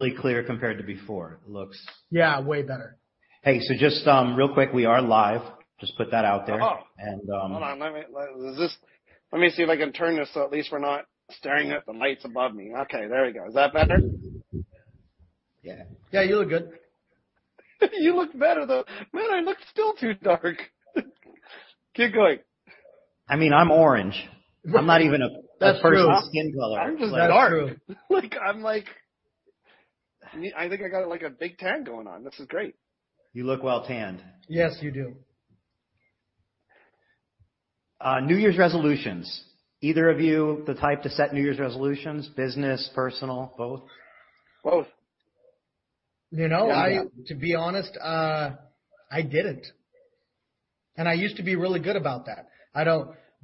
Really clear compared to before. Yeah, way better. Hey, just, real quick, we are live. Just put that out there. Oh. And, um- Hold on. Let me see if I can turn this so at least we're not staring at the lights above me. Okay, there we go. Is that better? Yeah. Yeah, you look good. You look better, though. Man, I look still too dark. Keep going. I mean, I'm orange. That's true. a person's skin color. I'm just that dark. I'm like I think I got, like, a big tan going on. This is great. You look well tanned. Yes, you do. New Year's resolutions. Either of you the type to set New Year's resolutions, business, personal, both? Both. You know, I Yeah ...to be honest, I didn't. I used to be really good about that.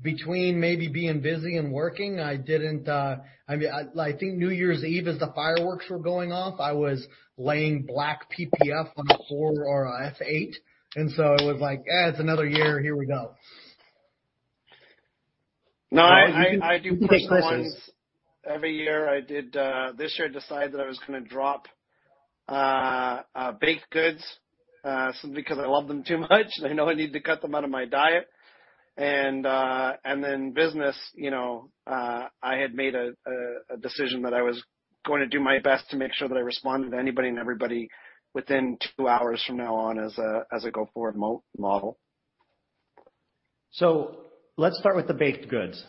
Between maybe being busy and working, I didn't. I mean, I think New Year's Eve, as the fireworks were going off, I was laying black PPF on a four or a F8, it was like, "Eh, it's another year. Here we go. No, I do personal ones every year. I did this year decide that I was gonna drop baked goods simply because I love them too much, and I know I need to cut them out of my diet. Business, you know, I had made a decision that I was gonna do my best to make sure that I responded to anybody and everybody within two hours from now on as a go forward model. Let's start with the baked goods.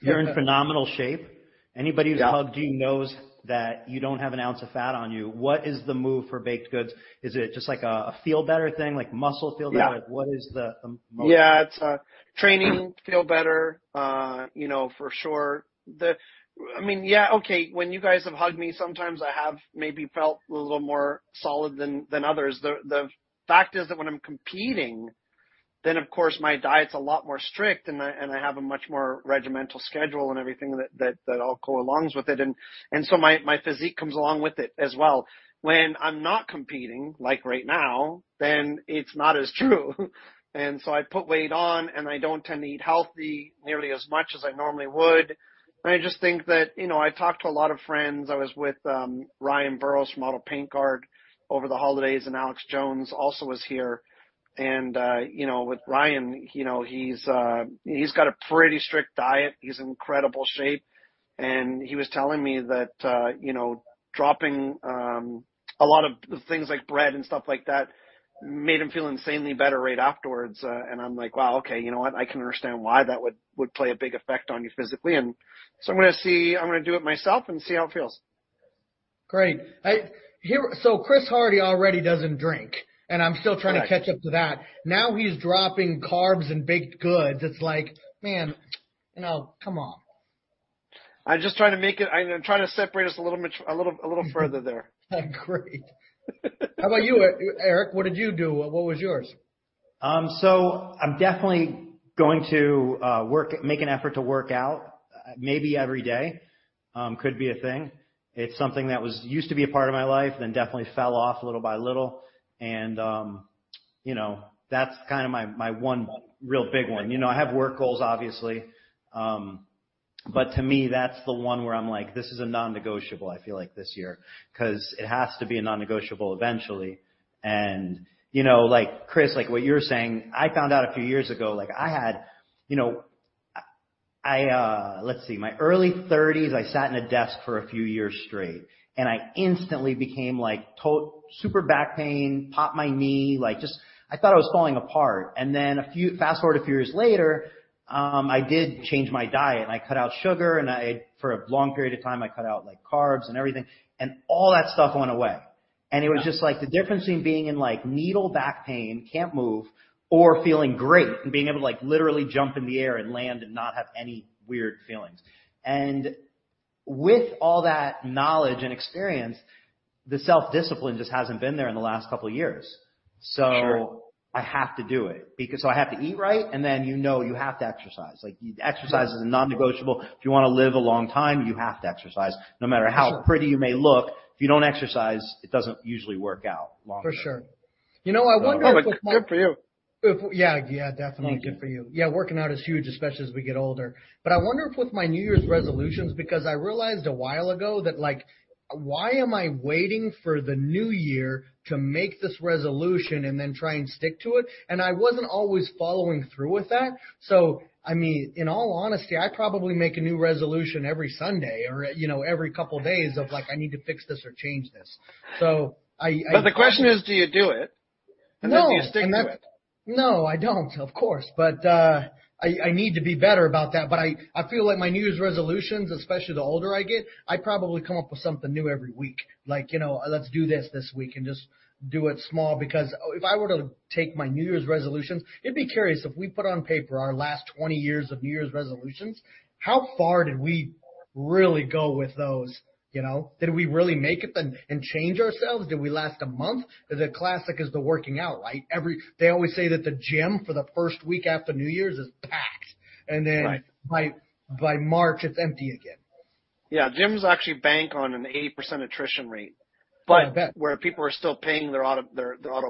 Yeah. You're in phenomenal shape. Yeah Anyone who's hugged you knows that you don't have an ounce of fat on you. What is the move for baked goods? Is it just like a feel better thing, like makes you feel better? Yeah. What is the mo- Yeah. It's training, feel better, you know, for sure. I mean, yeah, okay, when you guys have hugged me, sometimes I have maybe felt a little more solid than others. The fact is that when I'm competing, then of course my diet's a lot more strict and I have a much more regimented schedule and everything that all goes along with it and so my physique comes along with it as well. When I'm not competing, like right now, then it's not as true. So I put weight on, and I don't tend to eat healthy nearly as much as I normally would. I just think that, you know, I talked to a lot of friends. I was with Ryan Burroughs from Auto Paint Guard over the holidays, and Alex Jones also was here. You know, with Ryan, you know, he's got a pretty strict diet. He's in incredible shape. He was telling me that, you know, dropping a lot of things like bread and stuff like that made him feel insanely better right afterwards, and I'm like, "Wow, okay. You know what? I can understand why that would play a big effect on you physically." I'm gonna see. I'm gonna do it myself and see how it feels. Great. Chris Hardy already doesn't drink, and I'm still trying. Right To catch up to that. Now he's dropping carbs and baked goods. It's like, man, you know, come on. I'm just trying to make it. I'm trying to separate us a little further there. Oh, great. How about you, Erik? What did you do? What was yours? I'm definitely going to make an effort to work out maybe every day. Could be a thing. It's something that used to be a part of my life, then definitely fell off little by little. You know, that's kinda my one real big one. You know, I have work goals obviously. To me, that's the one where I'm like, "This is a non-negotiable." I feel like this year. 'Cause it has to be a non-negotiable eventually. You know, like, Chris, like what you were saying, I found out a few years ago, like I had, you know. I, let's see. My early thirties, I sat in a desk for a few years straight, and I instantly became like super back pain, popped my knee, like just I thought I was falling apart. Fast-forward a few years later, I did change my diet, and I cut out sugar, and I, for a long period of time, cut out like carbs and everything, and all that stuff went away. Yeah. It was just like the difference in being in like needling back pain, can't move or feeling great and being able to like literally jump in the air and land and not have any weird feelings. With all that knowledge and experience, the self-discipline just hasn't been there in the last couple years. Sure I have to do it. I have to eat right and then you know you have to exercise. Like exercise. Yeah is a non-negotiable. If you wanna live a long time, you have to exercise. No matter how Sure Pretty you may look, if you don't exercise, it doesn't usually work out long term. For sure. You know, I wonder with my. No, but good for you. Yeah, definitely. Thank you. Good for you. Yeah, working out is huge, especially as we get older. I wonder if with my New Year's resolutions, because I realized a while ago that, like, why am I waiting for the new year to make this resolution and then try and stick to it? I wasn't always following through with that. I mean, in all honesty, I probably make a new resolution every Sunday or, you know, every couple of days of like, I need to fix this or change this. I The question is, do you do it? No. Do you stick to it? No, I don't, of course. I need to be better about that. I feel like my New Year's resolutions, especially the older I get, I probably come up with something new every week. Like, you know, let's do this this week and just do it small because if I were to take my New Year's resolutions, it'd be curious if we put on paper our last 20 years of New Year's resolutions, how far did we really go with those, you know? Did we really make it and change ourselves? Did we last a month? The classic is the working out, right? They always say that the gym for the first week after New Year's is packed, and then Right By March, it's empty again. Yeah. Gyms actually bank on an 80% attrition rate. I bet. Where people are still paying their auto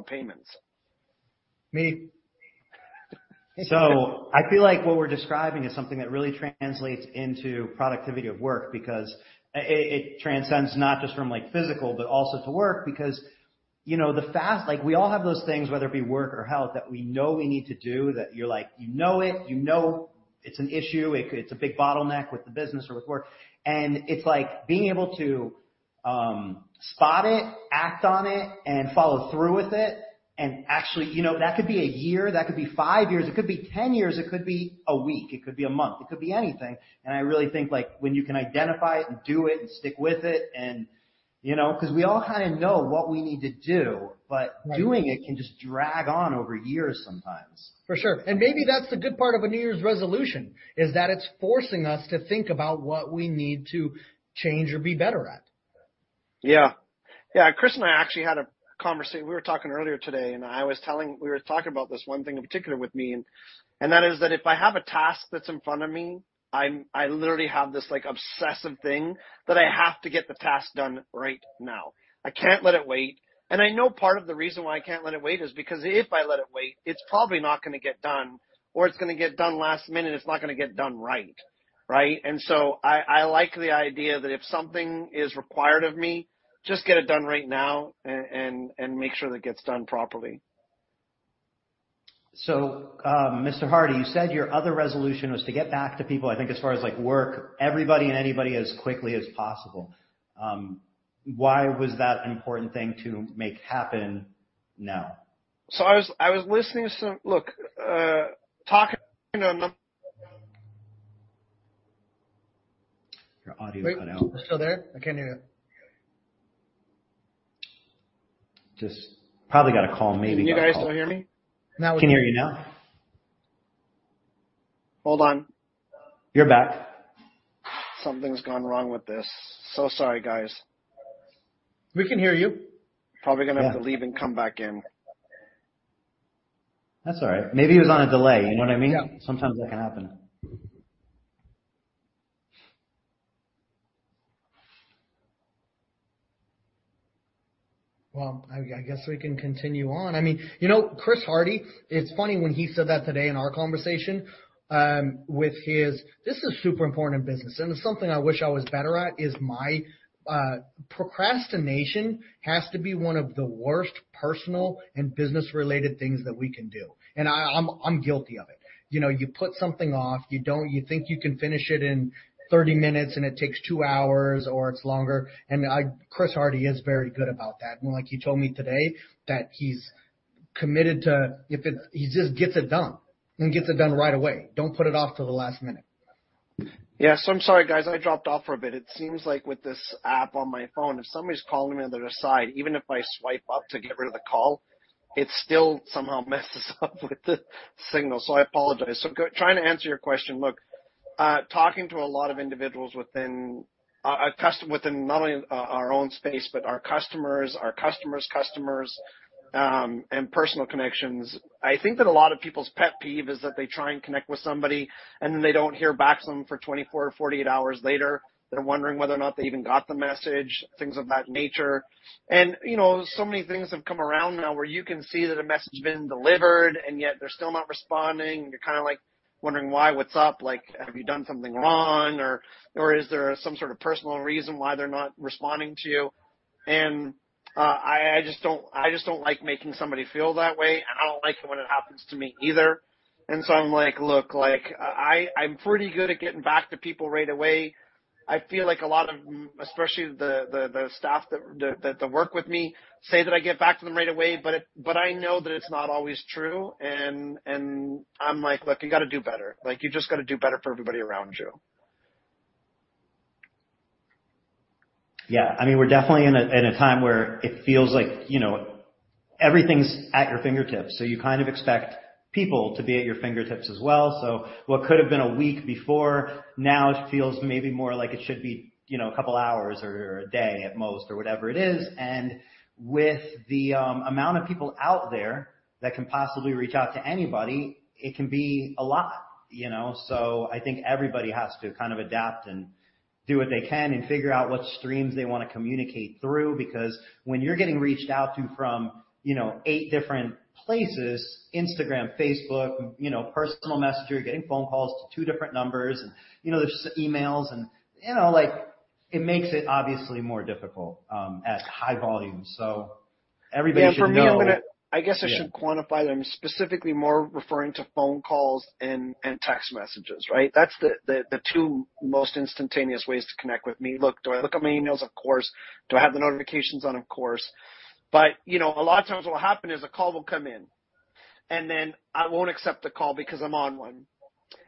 payments. Me I feel like what we're describing is something that really translates into productivity of work because it transcends not just from like physical but also to work because, you know, like we all have those things, whether it be work or health, that we know we need to do that you're like, you know it, you know it's an issue, it's a big bottleneck with the business or with work. It's like being able to spot it, act on it, and follow through with it. Actually, you know, that could be a year, that could be 5 years, it could be 10 years, it could be a week, it could be a month, it could be anything. I really think, like, when you can identify it and do it and stick with it and, you know, 'cause we all kinda know what we need to do, but Right. Doing it can just drag on over years sometimes. For sure. Maybe that's the good part of a New Year's resolution, is that it's forcing us to think about what we need to change or be better at. Yeah, Chris and I actually had a conversation. We were talking earlier today, and we were talking about this one thing in particular with me, and that is that if I have a task that's in front of me, I literally have this, like, obsessive thing that I have to get the task done right now. I can't let it wait. I know part of the reason why I can't let it wait is because if I let it wait, it's probably not gonna get done, or it's gonna get done last minute, it's not gonna get done right. Right? I like the idea that if something is required of me, just get it done right now and make sure that it gets done properly. Mr. Hardy, you said your other resolution was to get back to people, I think as far as like work, everybody and anybody as quickly as possible. Why was that an important thing to make happen now? I was listening to some. Look, talking, you know, num- Your audio cut out. Wait. You still there? I can't hear you. Just probably got a call. Maybe you got a call. Can you guys still hear me? Now we can. can hear you now. Hold on. You're back. Something's gone wrong with this. So sorry, guys. We can hear you. Probably gonna have to leave and come back in. That's all right. Maybe it was on a delay. You know what I mean? Yeah. Sometimes that can happen. Well, I guess we can continue on. I mean, you know, Chris Hardy, it's funny when he said that today in our conversation. This is super important in business, and it's something I wish I was better at, is my procrastination has to be one of the worst personal and business-related things that we can do. I'm guilty of it. You know, you put something off, you think you can finish it in 30 minutes, and it takes 2 hours or it's longer. Chris Hardy is very good about that. Like he told me today that he's committed to just getting it done and getting it done right away. Don't put it off till the last minute. Yeah. I'm sorry, guys, I dropped off for a bit. It seems like with this app on my phone, if somebody's calling me on their side, even if I swipe up to get rid of the call, it still somehow messes up with the signal. I apologize. Trying to answer your question. Look, talking to a lot of individuals within not only our own space but our customers, our customers' customers, and personal connections. I think that a lot of people's pet peeve is that they try and connect with somebody, and then they don't hear back from them for 24-48 hours later. They're wondering whether or not they even got the message, things of that nature. You know, so many things have come around now where you can see that a message has been delivered, and yet they're still not responding. You're kinda like wondering why, what's up? Like, have you done something wrong or is there some sort of personal reason why they're not responding to you? I just don't like making somebody feel that way, and I don't like it when it happens to me either. I'm like, "Look, like I'm pretty good at getting back to people right away." I feel like a lot of, especially the staff that work with me say that I get back to them right away, but I know that it's not always true. I'm like, Look, you gotta do better. Like, you just gotta do better for everybody around you. Yeah. I mean, we're definitely in a time where it feels like, you know, everything's at your fingertips, so you kind of expect people to be at your fingertips as well. What could have been a week before, now it feels maybe more like it should be, you know, a couple of hours or a day at most or whatever it is. With the amount of people out there that can possibly reach out to anybody, it can be a lot, you know. I think everybody has to kind of adapt and do what they can and figure out what streams they wanna communicate through. Because when you're getting reached out to from, you know, eight different places, Instagram, Facebook, you know, personal messenger, getting phone calls to two different numbers, you know, there's emails and, you know, like it makes it obviously more difficult at high volume. Everybody should know- Yeah. For me, I'm gonna I guess I should quantify that I'm specifically more referring to phone calls and text messages, right? That's the two most instantaneous ways to connect with me. Look, do I look at my emails? Of course. Do I have the notifications on? Of course. You know, a lot of times what will happen is a call will come in, and then I won't accept the call because I'm on one.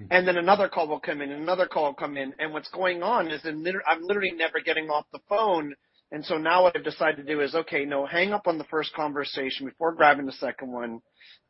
Mm-hmm. Then another call will come in, and another call will come in. What's going on is then I'm literally never getting off the phone. Now what I've decided to do is, okay, no, hang up on the first conversation before grabbing the second one.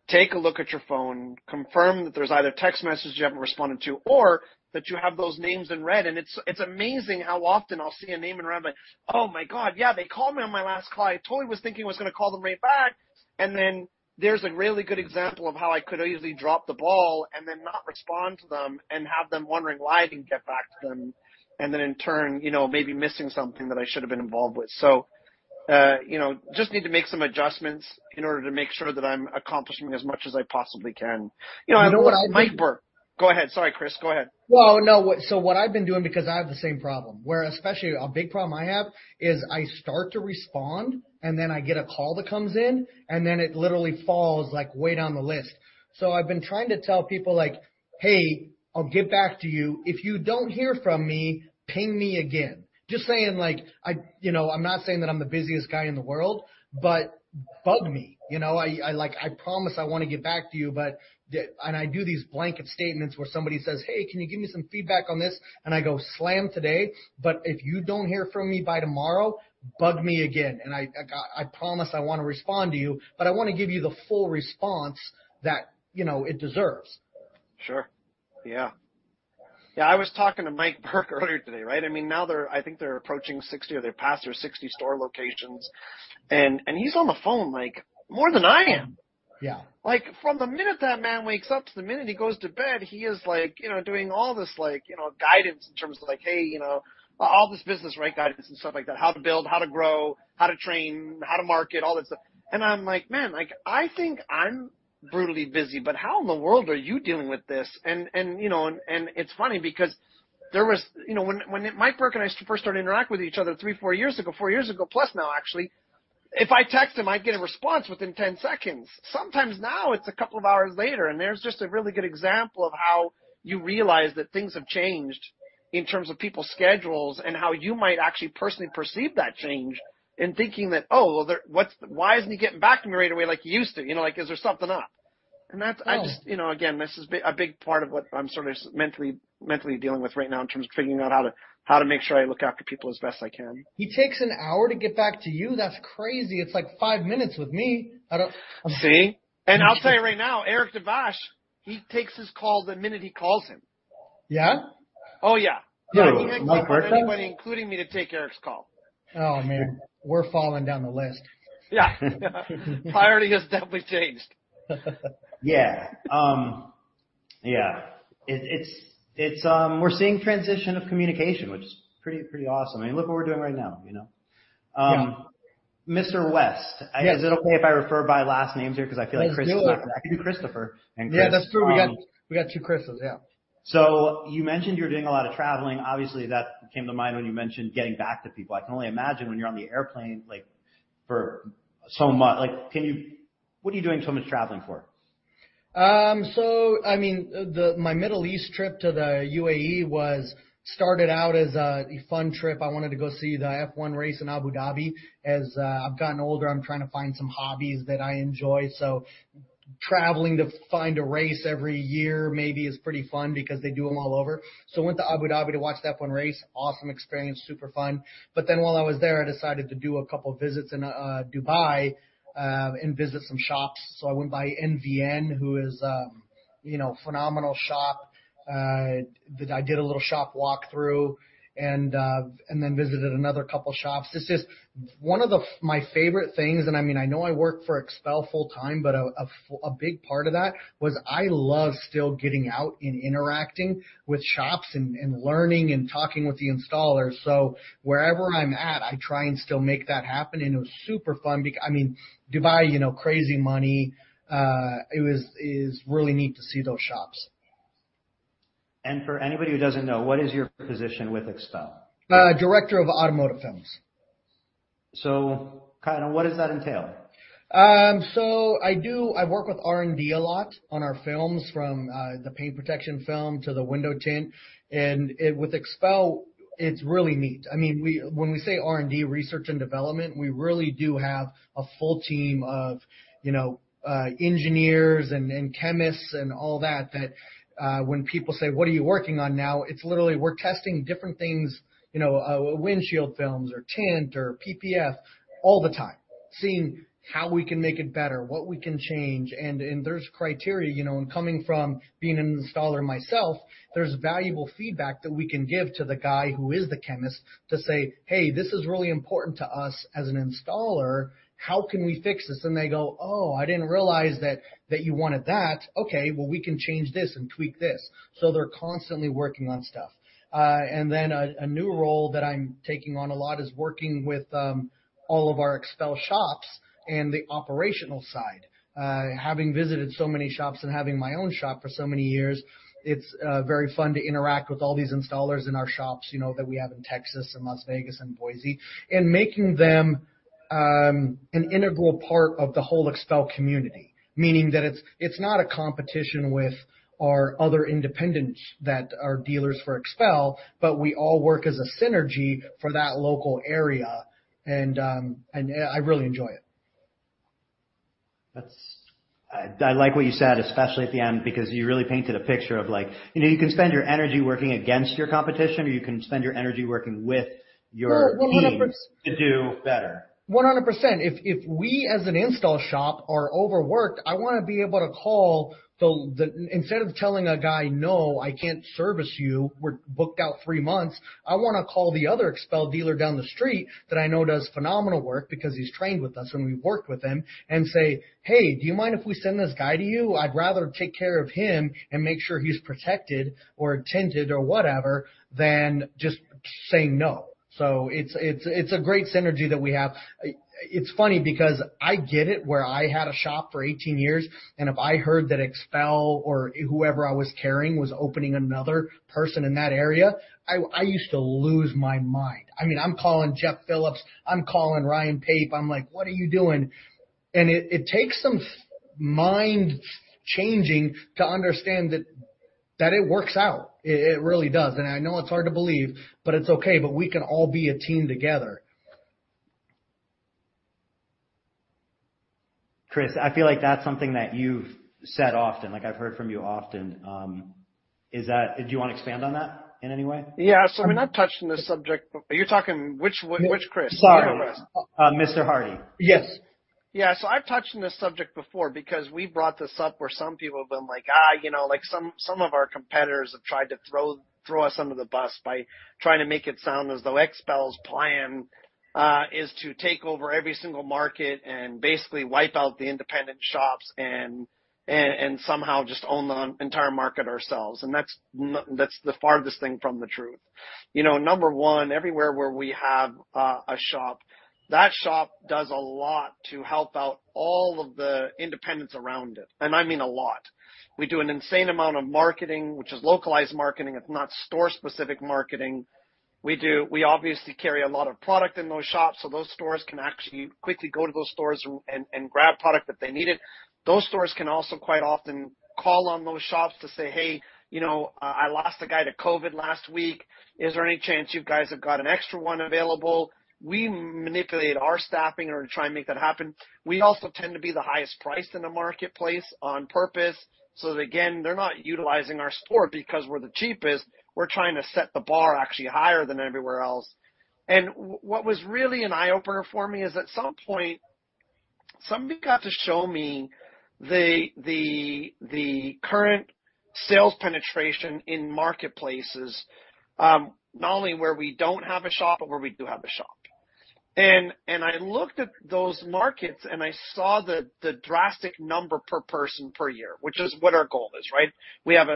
Take a look at your phone, confirm that there's either text message you haven't responded to or that you have those names in red. It's amazing how often I'll see a name in red, but, oh my God, yeah, they called me on my last call. I totally was thinking I was gonna call them right back. Then there's a really good example of how I could easily drop the ball and then not respond to them and have them wondering why I didn't get back to them, and then in turn, you know, maybe missing something that I should have been involved with. You know, just need to make some adjustments in order to make sure that I'm accomplishing as much as I possibly can. You know, Mike Burke- You know what I do? Go ahead. Sorry, Chris. Go ahead. Well, no. What I've been doing, because I have the same problem, where especially a big problem I have is I start to respond, and then I get a call that comes in, and then it literally falls, like, way down the list. I've been trying to tell people, like, "Hey, I'll get back to you. If you don't hear from me, ping me again." Just saying, like, I, you know, I'm not saying that I'm the busiest guy in the world, but bug me. You know? I like, I promise I wanna get back to you, but, and I do these blanket statements where somebody says, "Hey, can you give me some feedback on this?" I go, "Slammed today, but if you don't hear from me by tomorrow, bug me again." I go, "I promise I wanna respond to you, but I wanna give you the full response that, you know, it deserves. Sure. Yeah, I was talking to Mike Burke earlier today, right? I mean, now they're, I think they're approaching 60 or they're past their 60 store locations. He's on the phone, like, more than I am. Yeah. Like, from the minute that man wakes up to the minute he goes to bed, he is like, you know, doing all this like, you know, guidance in terms of like, hey, you know, all this business, right, guidance and stuff like that, how to build, how to grow, how to train, how to market, all that stuff. I'm like, "Man, like, I think I'm brutally busy, but how in the world are you dealing with this?" It's funny because you know, when Mike Burke and I first started interacting with each other 3, 4 years ago, 4 years ago plus now, actually, if I text him, I'd get a response within 10 seconds. Sometimes now it's a couple of hours later, and there's just a really good example of how you realize that things have changed in terms of people's schedules and how you might actually personally perceive that change in thinking that, "Oh, well, why isn't he getting back to me right away like he used to? You know, like, is there something up? Oh. That's, I just, you know, again, this is a big part of what I'm sort of mentally dealing with right now in terms of figuring out how to make sure I look after people as best I can. He takes an hour to get back to you? That's crazy. It's like five minutes with me. I don't- See? I'll tell you right now, Erik Devash, he takes his calls the minute he calls him. Yeah? Oh, yeah. Yeah. Mike Burke. He doesn't even expect anybody, including me, to take Erik's call. Oh, man. We're falling down the list. Yeah. Priority has definitely changed. Yeah. Yeah. We're seeing transition of communication, which is pretty awesome. I mean, look what we're doing right now, you know? Yeah. Mr. West. Yes. Is it okay if I refer by last names here 'cause I feel like Chris? Let's do it. I can do Christopher and Chris. Yeah, that's true. We got two Chris's. Yeah. You mentioned you're doing a lot of traveling. Obviously that came to mind when you mentioned getting back to people. I can only imagine when you're on the airplane, like, what are you doing so much traveling for? My Middle East trip to the UAE started out as a fun trip. I wanted to go see the F1 race in Abu Dhabi. I've gotten older, I'm trying to find some hobbies that I enjoy. Traveling to find a race every year maybe is pretty fun because they do them all over. I went to Abu Dhabi to watch the F1 race. Awesome experience. Super fun. While I was there, I decided to do a couple visits in Dubai and visit some shops. I went by NVN, who is a phenomenal shop that I did a little shop walk through and visited another couple shops. It's just one of my favorite things, and I mean, I know I work for XPEL full-time, but a big part of that was I love still getting out and interacting with shops and learning and talking with the installers. Wherever I'm at, I try and still make that happen, and it was super fun. I mean, Dubai, you know, crazy money. It is really neat to see those shops. For anybody who doesn't know, what is your position with XPEL? Director of Automotive Films. Kinda what does that entail? I do. I work with R&D a lot on our films, from the paint protection film to the window tint with XPEL. It's really neat. I mean, when we say R&D, research and development, we really do have a full team of, you know, engineers and chemists and all that when people say, "What are you working on now?" It's literally we're testing different things, you know, windshield films or tint or PPF all the time, seeing how we can make it better, what we can change. There's criteria, you know. Coming from being an installer myself, there's valuable feedback that we can give to the guy who is the chemist to say, "Hey, this is really important to us as an installer. How can we fix this?" They go, "Oh, I didn't realize that you wanted that. Okay. Well, we can change this and tweak this." So they're constantly working on stuff. Then a new role that I'm taking on a lot is working with all of our XPEL shops and the operational side. Having visited so many shops and having my own shop for so many years, it's very fun to interact with all these installers in our shops, you know, that we have in Texas and Las Vegas and Boise, and making them an integral part of the whole XPEL community. Meaning that it's not a competition with our other independents that are dealers for XPEL, but we all work as a synergy for that local area, and I really enjoy it. I like what you said, especially at the end, because you really painted a picture of, like, you know, you can spend your energy working against your competition, or you can spend your energy working with your team. Well, 100%. to do better. 100%. If we as an install shop are overworked, I wanna be able to call instead of telling a guy, "No, I can't service you, we're booked out three months," I wanna call the other XPEL dealer down the street that I know does phenomenal work because he's trained with us and we've worked with him and say, "Hey, do you mind if we send this guy to you? I'd rather take care of him and make sure he's protected or tinted or whatever than just saying no." It's a great synergy that we have. It's funny because I get it where I had a shop for 18 years, and if I heard that XPEL or whoever I was carrying was opening another person in that area, I used to lose my mind. I mean, I'm calling Jeff Phillips, I'm calling Ryan Pape, I'm like, "What are you doing?" It takes some mind changing to understand that it works out. It really does. I know it's hard to believe, but it's okay, but we can all be a team together. Chris, I feel like that's something that you've said often, like I've heard from you often. Do you want to expand on that in any way? Yeah. I mean, I've touched on this subject. Which Chris? Sorry. Mr. Hardy. Yes. Yeah. I've touched on this subject before because we brought this up where some people have been like, you know, like some of our competitors have tried to throw us under the bus by trying to make it sound as though XPEL's plan is to take over every single market and basically wipe out the independent shops and somehow just own the entire market ourselves. That's the farthest thing from the truth. You know, number one, everywhere where we have a shop, that shop does a lot to help out all of the independents around it, and I mean a lot. We do an insane amount of marketing, which is localized marketing. It's not store-specific marketing. We obviously carry a lot of product in those shops, so those stores can actually quickly go to those stores and grab product if they need it. Those stores can also quite often call on those shops to say, "Hey, you know, I lost a guy to COVID last week. Is there any chance you guys have got an extra one available?" We manipulate our staffing in order to try and make that happen. We also tend to be the highest priced in the marketplace on purpose so that, again, they're not utilizing our store because we're the cheapest. We're trying to set the bar actually higher than everywhere else. What was really an eye-opener for me is, at some point, somebody got to show me the current sales penetration in marketplaces, not only where we don't have a shop, but where we do have a shop. I looked at those markets, and I saw the drastic number per person per year, which is what our goal is, right? We have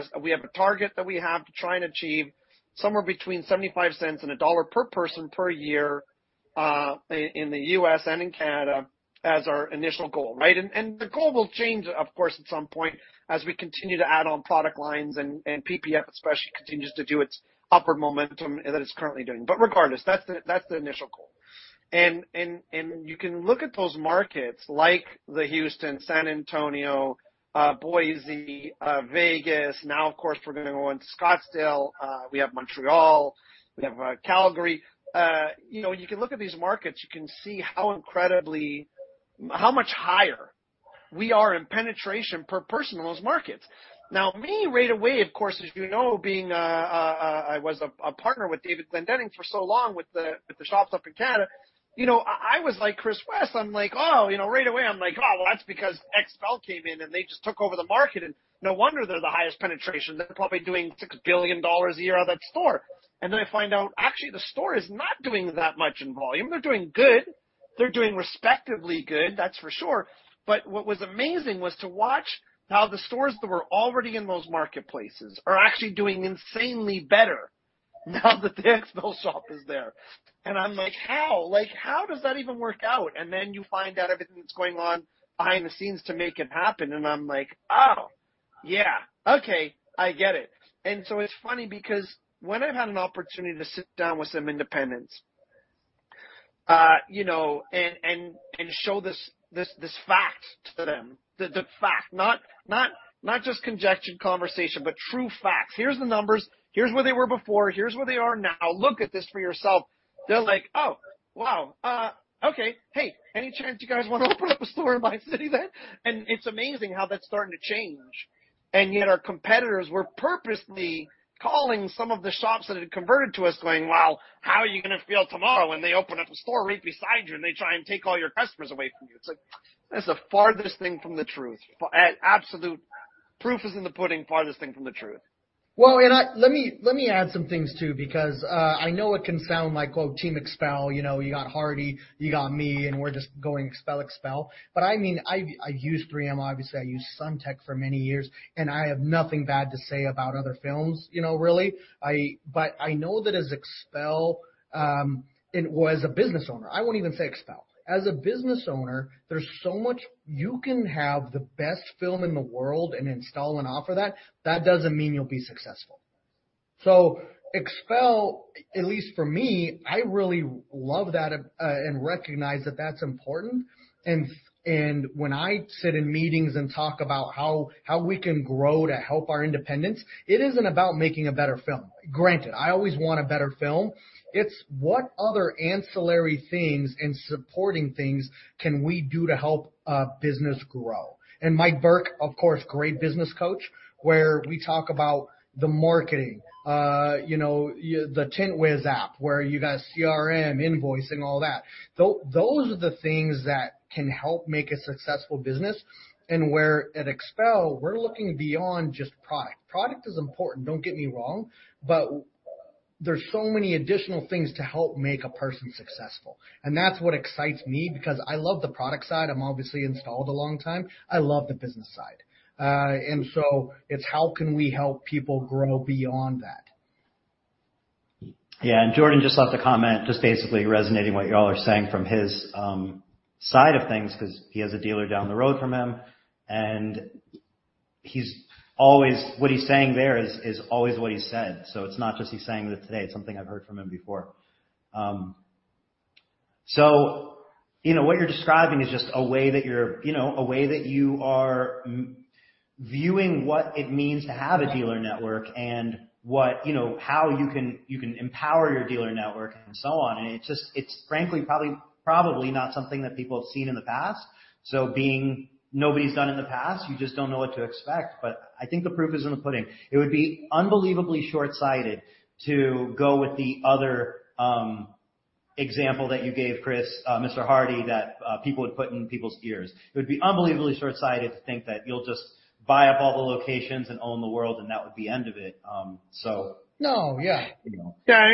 a target that we have to try and achieve somewhere between $0.75 and $1 per person per year in the U.S. and in Canada as our initial goal, right? The goal will change, of course, at some point as we continue to add on product lines and PPF especially continues to do its upward momentum that it's currently doing. But regardless, that's the initial goal. You can look at those markets like the Houston, San Antonio, Boise, Vegas. Now, of course, we're gonna go into Scottsdale. We have Montreal. We have Calgary. You know, you can look at these markets, you can see how much higher we are in penetration per person in those markets. Now, me, right away, of course, as you know, being I was a partner with David Glendenning for so long with the shops up in Canada, you know, I was like Chris West. I'm like, "Oh," you know, right away, I'm like, "Oh, well, that's because XPEL came in, and they just took over the market, and no wonder they're the highest penetration. They're probably doing $6 billion a year out of that store. I find out, actually, the store is not doing that much in volume. They're doing good. They're doing respectively good, that's for sure. What was amazing was to watch how the stores that were already in those marketplaces are actually doing insanely better now that the XPEL shop is there. I'm like, "How?" Like, how does that even work out? You find out everything that's going on behind the scenes to make it happen, and I'm like, "Oh, yeah. Okay, I get it." It's funny because when I've had an opportunity to sit down with some independents, you know, and show this fact to them, the fact, not just conjecture conversation, but true facts. Here's the numbers. Here's where they were before. Here's where they are now. Look at this for yourself. They're like, "Oh, wow. Okay. Hey, any chance you guys wanna open up a store in my city then?" It's amazing how that's starting to change. Yet our competitors were purposely calling some of the shops that had converted to us going, "Well, how are you gonna feel tomorrow when they open up a store right beside you, and they try and take all your customers away from you?" It's like, that's the farthest thing from the truth. Proof is in the pudding, farthest thing from the truth. Let me add some things too because I know it can sound like, quote, “Team XPEL.” You know, you got Hardy, you got me, and we're just going XPEL. But I mean, I've used 3M, obviously, I used SunTek for many years, and I have nothing bad to say about other films, you know, really. But I know that as XPEL or as a business owner, I won't even say XPEL. As a business owner, there's so much. You can have the best film in the world and install and offer that doesn't mean you'll be successful. So XPEL, at least for me, I really love that and recognize that that's important. When I sit in meetings and talk about how we can grow to help our independents, it isn't about making a better film. Granted, I always want a better film. It's what other ancillary things and supporting things can we do to help a business grow. Mike Burke, of course, great business coach, where we talk about the marketing, you know, the TintWiz app, where you got CRM, invoicing, all that. Those are the things that can help make a successful business. Where at XPEL, we're looking beyond just product. Product is important, don't get me wrong, but there's so many additional things to help make a person successful. That's what excites me because I love the product side. I'm obviously installed a long time. I love the business side. It's how can we help people grow beyond that? Yeah. Jordan just left a comment, just basically resonating what y'all are saying from his side of things, 'cause he has a dealer down the road from him, and what he's saying there is always what he's said. It's not just he's saying that today. It's something I've heard from him before. You know, what you're describing is just a way that you're, you know, a way that you are misviewing what it means to have a dealer network and what, you know, how you can empower your dealer network and so on. It's just frankly probably not something that people have seen in the past. Being nobody's done in the past, you just don't know what to expect. I think the proof is in the pudding. It would be unbelievably shortsighted to go with the other example that you gave Chris Hardy, that people would put in people's ears. It would be unbelievably shortsighted to think that you'll just buy up all the locations and own the world, and that would be end of it. No, yeah. You know. Yeah,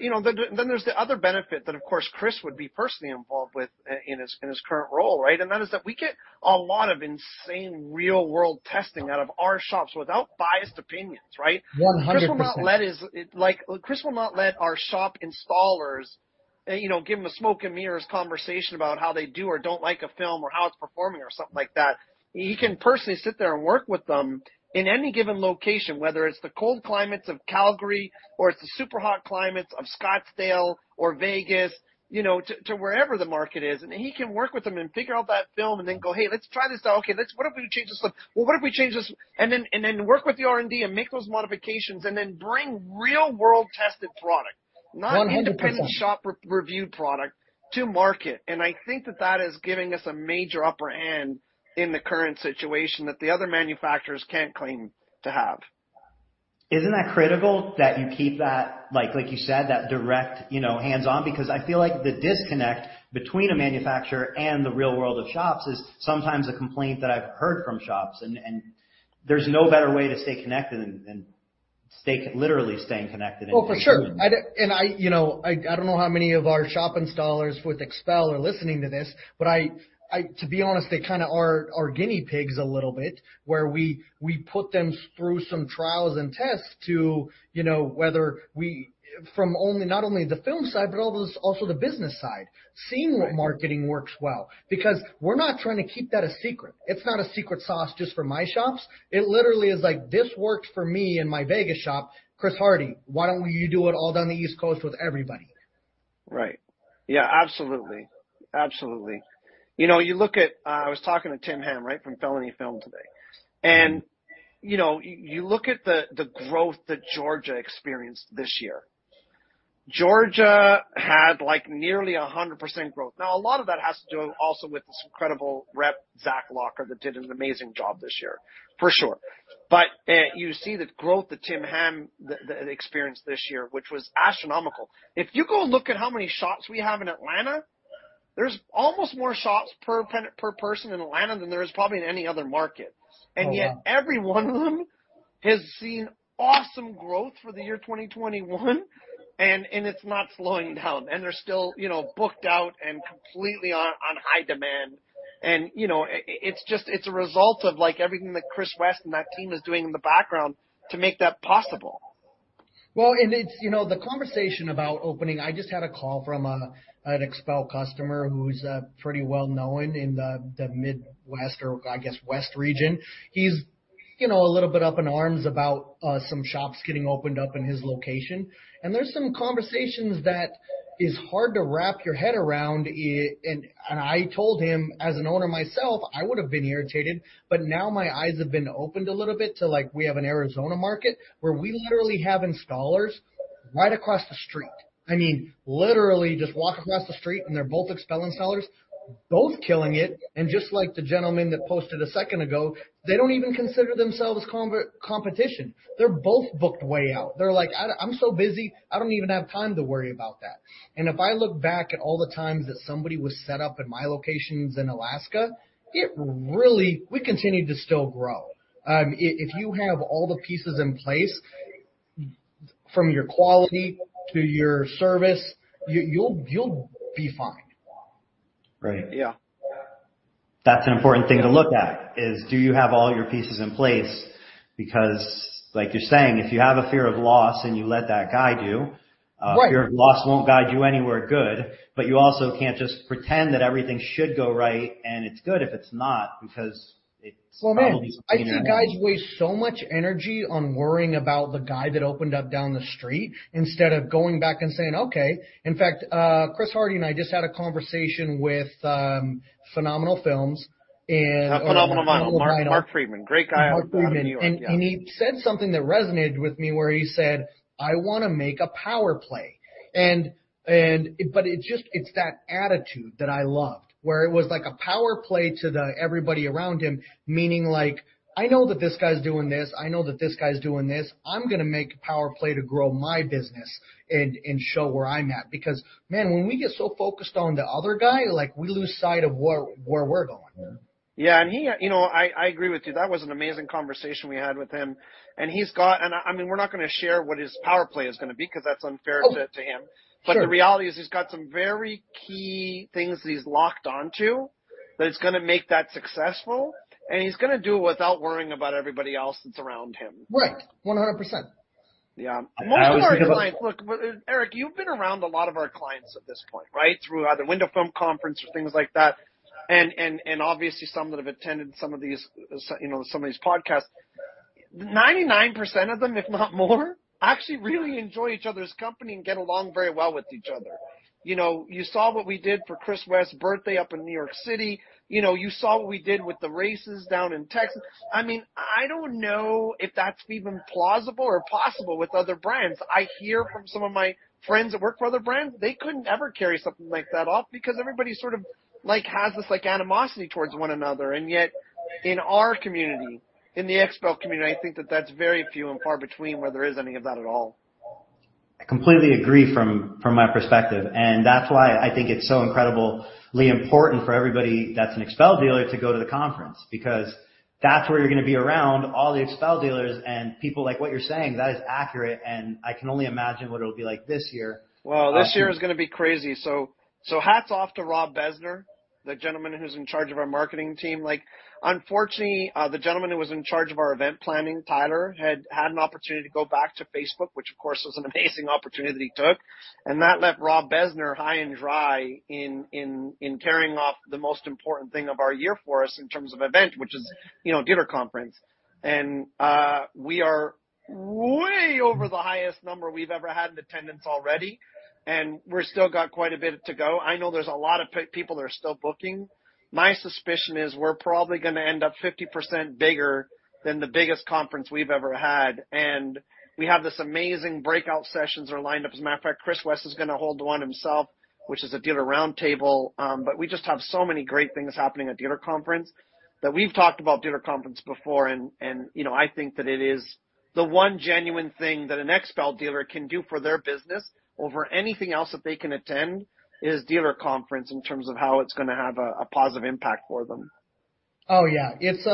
you know, then there's the other benefit that of course Chris would be personally involved with in his current role, right? That is that we get a lot of insane real-world testing out of our shops without biased opinions, right? 100%. Chris will not let our shop installers, like, you know, give him a smoke and mirrors conversation about how they do or don't like a film or how it's performing or something like that. He can personally sit there and work with them in any given location, whether it's the cold climates of Calgary or it's the super hot climates of Scottsdale or Vegas, you know, to wherever the market is. He can work with them and figure out that film and then go, "Hey, let's try this out. Okay, let's what if we change this look? Well, what if we change this?" Then work with the R&D and make those modifications and then bring real-world tested product. 100%. Not independent shop re-reviewed product to market. I think that is giving us a major upper hand in the current situation that the other manufacturers can't claim to have. Isn't that critical that you keep that, like you said, that direct, you know, hands-on? Because I feel like the disconnect between a manufacturer and the real world of shops is sometimes a complaint that I've heard from shops and there's no better way to stay connected than literally staying connected and doing that. Oh, for sure. You know, I don't know how many of our shop installers with XPEL are listening to this, but to be honest, they kinda are guinea pigs a little bit, where we put them through some trials and tests to you know not only the film side, but also the business side, seeing what marketing works well. Because we're not trying to keep that a secret. It's not a secret sauce just for my shops. It literally is like, "This worked for me and my Vegas shop, Chris Hardy, why don't you do it all down the East Coast with everybody? Right. Yeah, absolutely. You know, you look at, I was talking to Tim Ham, right, from Felony Film today. You know, you look at the growth that Georgia experienced this year. Georgia had, like, nearly 100% growth. Now, a lot of that has to do also with this incredible rep, Zach Locker, that did an amazing job this year, for sure. You see the growth that Tim Ham experienced this year, which was astronomical. If you go look at how many shops we have in Atlanta, there's almost more shops per person in Atlanta than there is probably in any other market. Oh, wow. Yet every one of them has seen awesome growth for the year 2021, and it's not slowing down, and they're still, you know, booked out and completely on high demand. You know, it's just a result of, like, everything that Chris West and that team is doing in the background to make that possible. It's, you know, the conversation about opening. I just had a call from an XPEL customer who's pretty well-known in the Midwest or I guess West region. He's, you know, a little bit up in arms about some shops getting opened up in his location. There's some conversations that is hard to wrap your head around, and I told him as an owner myself, I would've been irritated, but now my eyes have been opened a little bit to, like, we have an Arizona market where we literally have installers right across the street. I mean, literally just walk across the street, and they're both XPEL installers, both killing it. Just like the gentleman that posted a second ago, they don't even consider themselves competition. They're both booked way out. They're like, "I'm so busy, I don't even have time to worry about that." If I look back at all the times that somebody was set up in my locations in Alaska, we continued to still grow. If you have all the pieces in place from your quality to your service, you'll be fine. Right. Yeah. That's an important thing to look at, is do you have all your pieces in place? Because like you're saying, if you have a fear of loss and you let that guide you. Right. Fear of loss won't guide you anywhere good, but you also can't just pretend that everything should go right and it's good if it's not, because it probably will be something there anyway. Well, man, I see guys waste so much energy on worrying about the guy that opened up down the street instead of going back and saying, "Okay." In fact, Chris Hardy and I just had a conversation with Phenomenal Films and- Phenomenal Model. Mark Friedman. Great guy out of New York, yeah. Mark Friedman. He said something that resonated with me where he said, "I wanna make a power play." It's that attitude that I loved, where it was like a power play to everybody around him, meaning like, I know that this guy's doing this, I know that this guy's doing this, I'm gonna make a power play to grow my business and show where I'm at. Because, man, when we get so focused on the other guy, like we lose sight of where we're going. Yeah. He, you know, I agree with you. That was an amazing conversation we had with him. I mean, we're not gonna share what his power play is gonna be, 'cause that's unfair to him. Oh, sure. The reality is he's got some very key things that he's locked onto that is gonna make that successful, and he's gonna do it without worrying about everybody else that's around him. Right. 100%. Yeah. That was beautiful. Most of our clients. Look, Erik, you've been around a lot of our clients at this point, right? Through either Window Film Conference or things like that, and obviously some that have attended some of these, you know, some of these podcasts. 99% of them, if not more, actually really enjoy each other's company and get along very well with each other. You know, you saw what we did for Chris West's birthday up in New York City. You know, you saw what we did with the races down in Texas. I mean, I don't know if that's even plausible or possible with other brands. I hear from some of my friends that work for other brands, they couldn't ever carry something like that off because everybody sort of like, has this, like, animosity towards one another. In our community, in the XPEL community, I think that that's very few and far between where there is any of that at all. I completely agree from my perspective, and that's why I think it's so incredibly important for everybody that's an XPEL dealer to go to the conference, because that's where you're gonna be around all the XPEL dealers and people like what you're saying, that is accurate, and I can only imagine what it'll be like this year. Well, this year is gonna be crazy. Hats off to Robert Bezner, the gentleman who's in charge of our marketing team. Like, unfortunately, the gentleman who was in charge of our event planning, Tyler, had an opportunity to go back to Facebook, which of course was an amazing opportunity that he took. That left Robert Bezner high and dry in carrying off the most important thing of our year for us in terms of event, which is, you know, dealer conference. We are way over the highest number we've ever had in attendance already, and we're still got quite a bit to go. I know there's a lot of people that are still booking. My suspicion is we're probably gonna end up 50% bigger than the biggest conference we've ever had, and we have this amazing breakout sessions are lined up. As a matter of fact, Chris West is gonna hold one himself, which is a dealer roundtable. But we just have so many great things happening at dealer conference that we've talked about dealer conference before and you know, I think that it is the one genuine thing that an XPEL dealer can do for their business over anything else that they can attend is dealer conference in terms of how it's gonna have a positive impact for them. Oh, yeah. It's,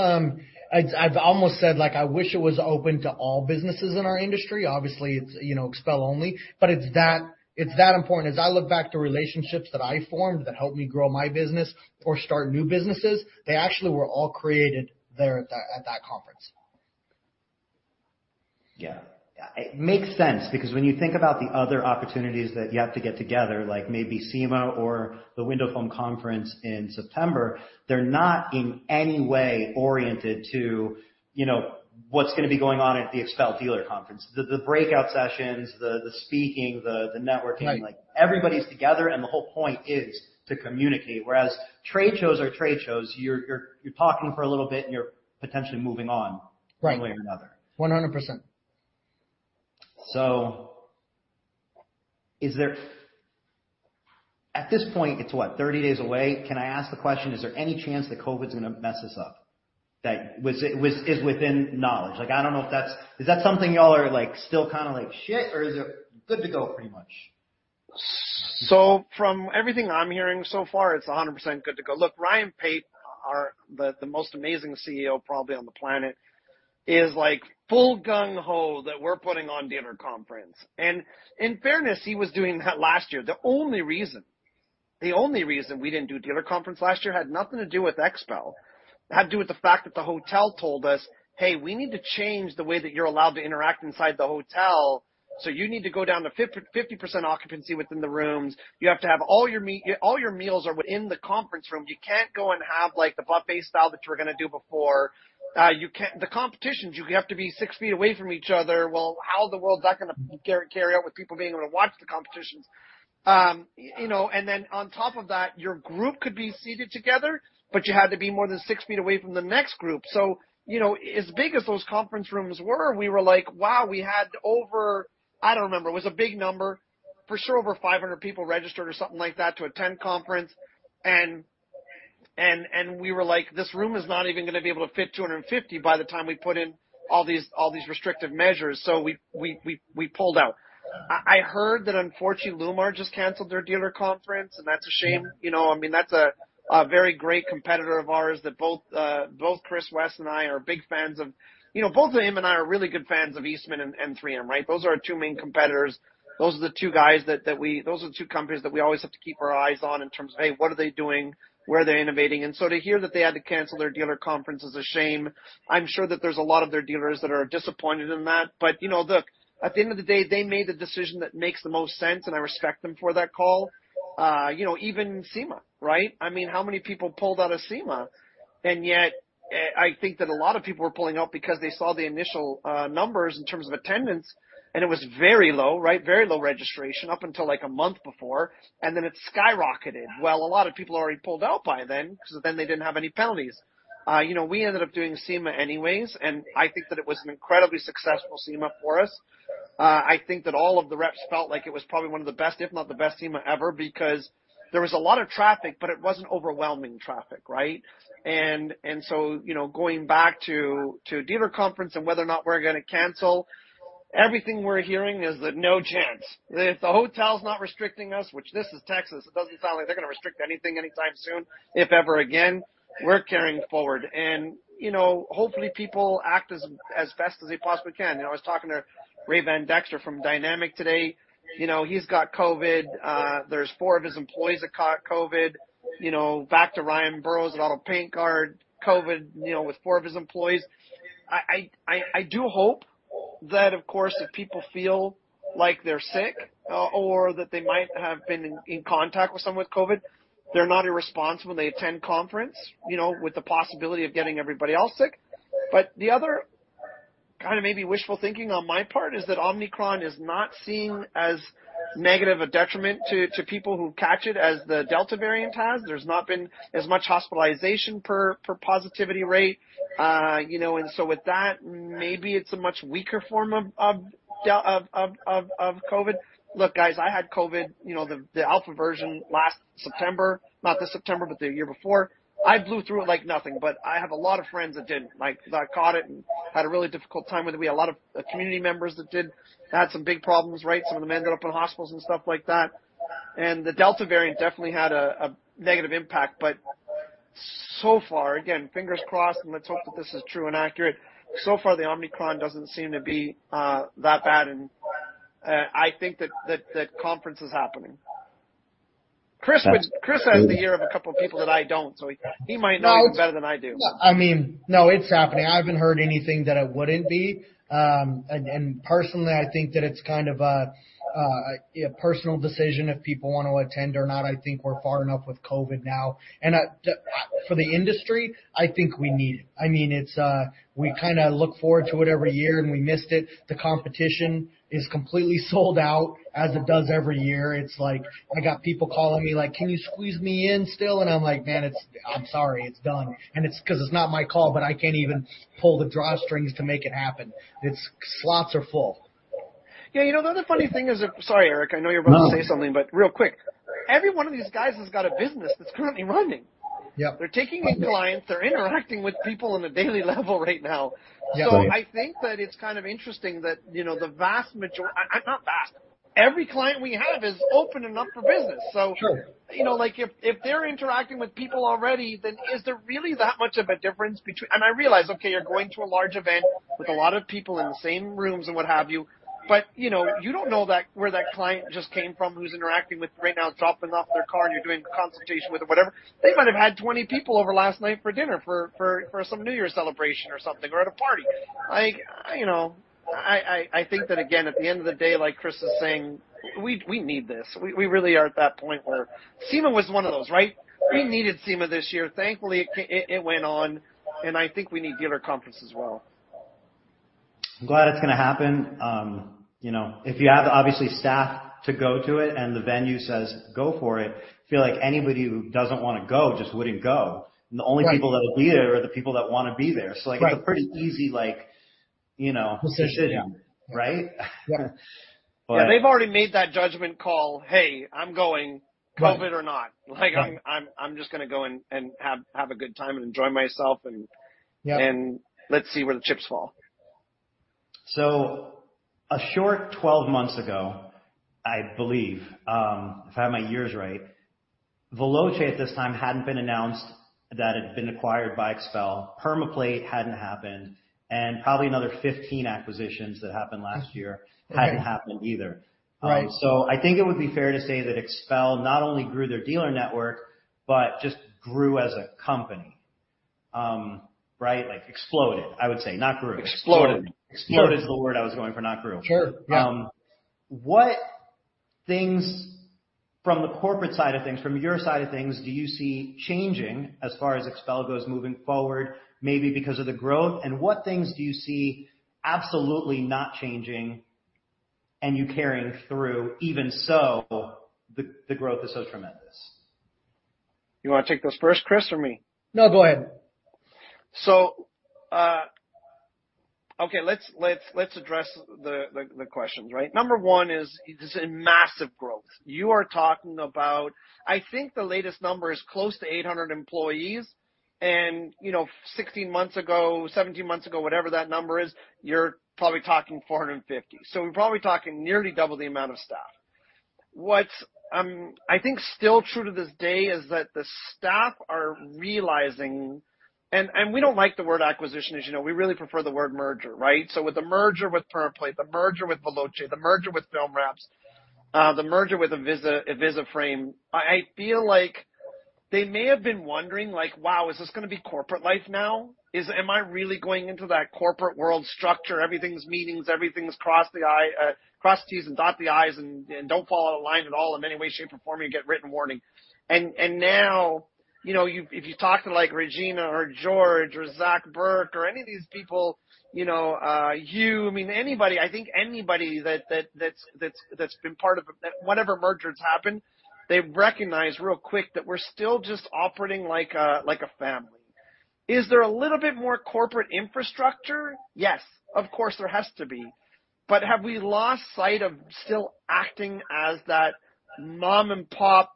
I've almost said like, I wish it was open to all businesses in our industry. Obviously, it's, you know, XPEL only, but it's that important. As I look back to relationships that I formed that helped me grow my business or start new businesses, they actually were all created there at that conference. Yeah. It makes sense because when you think about the other opportunities that you have to get together, like maybe SEMA or the Window Film Conference in September, they're not in any way oriented to, you know, what's gonna be going on at the XPEL Dealer Conference. The breakout sessions, the speaking, the networking. Right. Like, everybody's together, and the whole point is to communicate. Whereas trade shows, you're talking for a little bit, and you're potentially moving on. Right. one way or another. 100%. Is there at this point, it's what? 30 days away. Can I ask the question, is there any chance that COVID's gonna mess this up? Is within knowledge. Like, I don't know if that's. Is that something y'all are like still kinda like, "Shit," or is it good to go pretty much? From everything I'm hearing so far, it's 100% good to go. Look, Ryan Pape, our the most amazing CEO probably on the planet, is like full gung ho that we're putting on dealer conference. In fairness, he was doing that last year. The only reason we didn't do dealer conference last year had nothing to do with XPEL. It had to do with the fact that the hotel told us, "Hey, we need to change the way that you're allowed to interact inside the hotel. So you need to go down to 50% occupancy within the rooms. You have to have all your meals are within the conference room. You can't go and have like the buffet style that you were gonna do before. The competitions, you have to be six feet away from each other." Well, how in the world is that gonna carry out with people being able to watch the competitions? You know, and then on top of that, your group could be seated together, but you had to be more than six feet away from the next group. You know, as big as those conference rooms were, we were like, "Wow, we had over..." I don't remember. It was a big number. For sure, over 500 people registered or something like that to attend conference. We were like, "This room is not even gonna be able to fit 250 by the time we put in all these restrictive measures." We pulled out. I heard that unfortunately, LLumar just canceled their dealer conference, and that's a shame. You know, I mean, that's a very great competitor of ours that both Chris West and I are big fans of. You know, both him and I are really good fans of Eastman and 3M, right? Those are our two main competitors. Those are the two guys that those are the two companies that we always have to keep our eyes on in terms of, "Hey, what are they doing? Where are they innovating?" To hear that they had to cancel their dealer conference is a shame. I'm sure that there's a lot of their dealers that are disappointed in that. You know, look, at the end of the day, they made the decision that makes the most sense, and I respect them for that call. You know, even SEMA, right? I mean, how many people pulled out of SEMA? Yet, I think that a lot of people were pulling out because they saw the initial numbers in terms of attendance, and it was very low, right? Very low registration up until like a month before, and then it skyrocketed. Well, a lot of people already pulled out by then 'cause then they didn't have any penalties. You know, we ended up doing SEMA anyways, and I think that it was an incredibly successful SEMA for us. I think that all of the reps felt like it was probably one of the best, if not the best SEMA ever because there was a lot of traffic, but it wasn't overwhelming traffic, right? Going back to dealer conference and whether or not we're gonna cancel, everything we're hearing is that no chance. If the hotel's not restricting us, which this is Texas, it doesn't sound like they're gonna restrict anything anytime soon, if ever again, we're carrying forward. You know, hopefully, people act as best as they possibly can. You know, I was talking to Ray Van Dexter from Dynamic today. You know, he's got COVID. There's four of his employees that caught COVID. You know, back to Ryan Burroughs at Auto Paint Guard, COVID, you know, with four of his employees. I do hope that of course, if people feel like they're sick or that they might have been in contact with someone with COVID, they're not irresponsible when they attend conference, you know, with the possibility of getting everybody else sick. The other kind of maybe wishful thinking on my part is that Omicron is not seen as negative a detriment to people who catch it as the Delta variant has. There's not been as much hospitalization per positivity rate. You know, and so with that, maybe it's a much weaker form of Delta of COVID. Look, guys, I had COVID, you know, the Alpha version last September, not this September, but the year before. I blew through it like nothing, but I have a lot of friends that didn't. Like, that caught it and had a really difficult time with it. We had a lot of community members that did. Had some big problems, right? Some of the men got up in hospitals and stuff like that. The Delta variant definitely had a negative impact. So far, again, fingers crossed, and let's hope that this is true and accurate. So far, the Omicron doesn't seem to be that bad, and I think that conference is happening. Chris has the ear of a couple of people that I don't, so he might know even better than I do. No, it's happening. I haven't heard anything that it wouldn't be. Personally, I think that it's kind of a personal decision if people wanna attend or not. I think we're far enough with COVID now. For the industry, I think we need it. I mean, we kinda look forward to it every year, and we missed it. The competition is completely sold out as it does every year. It's like I got people calling me like, "Can you squeeze me in still?" I'm like, "Man, I'm sorry. It's done." 'Cause it's not my call, but I can't even pull the drawstrings to make it happen. Slots are full. Yeah. You know, the other funny thing is. Sorry, Erik. I know you're about to say something, but real quick. Every one of these guys has got a business that's currently running. Yeah. They're taking in clients. They're interacting with people on a daily level right now. Yeah. I think that it's kind of interesting that, you know, every client we have is open and up for business. Sure. You know, like if they're interacting with people already, then is there really that much of a difference between. I realize, okay, you're going to a large event with a lot of people in the same rooms and what have you, but you know, you don't know where that client just came from who's interacting with you right now, dropping off their car, and you're doing a consultation with or whatever. They might have had 20 people over last night for dinner for some New Year celebration or something or at a party. Like, you know, I think that again, at the end of the day, like Chris is saying, we need this. We really are at that point where SEMA was one of those, right? We needed SEMA this year. Thankfully, it went on, and I think we need dealer conference as well. I'm glad it's gonna happen. You know, if you have obviously staff to go to it and the venue says, "Go for it," I feel like anybody who doesn't wanna go just wouldn't go. Right. The only people that'll be there are the people that wanna be there. Right. Like, it's a pretty easy, like, you know. Position. decision, right? Yeah. But- Yeah, they've already made that judgment call, "Hey, I'm going- Right. COVID or not. Right. Like, "I'm just gonna go and have a good time and enjoy myself. Yeah. Let's see where the chips fall. A short 12 months ago, I believe, if I have my years right, Veloce at this time hadn't been announced that it had been acquired by XPEL. PermaPlate hadn't happened, and probably another 15 acquisitions that happened last year hadn't happened either. Right. I think it would be fair to say that XPEL not only grew their dealer network but just grew as a company. Right? Like exploded, I would say, not grew. Exploded. Yeah. Exploded is the word I was going for, not grew. Sure. Yeah. What things from the corporate side of things, from your side of things, do you see changing as far as XPEL goes moving forward, maybe because of the growth? What things do you see absolutely not changing and you carrying through, even so the growth is so tremendous? You wanna take those first, Chris, or me? No, go ahead. Okay, let's address the questions, right? Number one is this is a massive growth. I think the latest number is close to 800 employees, and, you know, 16 months ago, 17 months ago, whatever that number is, you're probably talking 450. We're probably talking nearly double the amount of staff. What's, I think still true to this day is that the staff are realizing... And we don't like the word acquisition, as you know. We really prefer the word merger, right? With the merger with PermaPlate, the merger with Veloce, the merger with Filmwraps, the merger with Aviza, I feel like they may have been wondering like, "Wow, is this gonna be corporate life now? Am I really going into that corporate world structure, everything's meetings, everything's cross the T's and dot the I's and don't fall out of line at all in any way, shape, or form, you get written warning? Now, you know, if you talk to, like, Regina or George or Zach Burke or any of these people, you know, I mean, anybody, I think anybody that's been part of that whenever mergers happen, they recognize real quick that we're still just operating like a family. Is there a little bit more corporate infrastructure? Yes, of course, there has to be. But have we lost sight of still acting as that mom-and-pop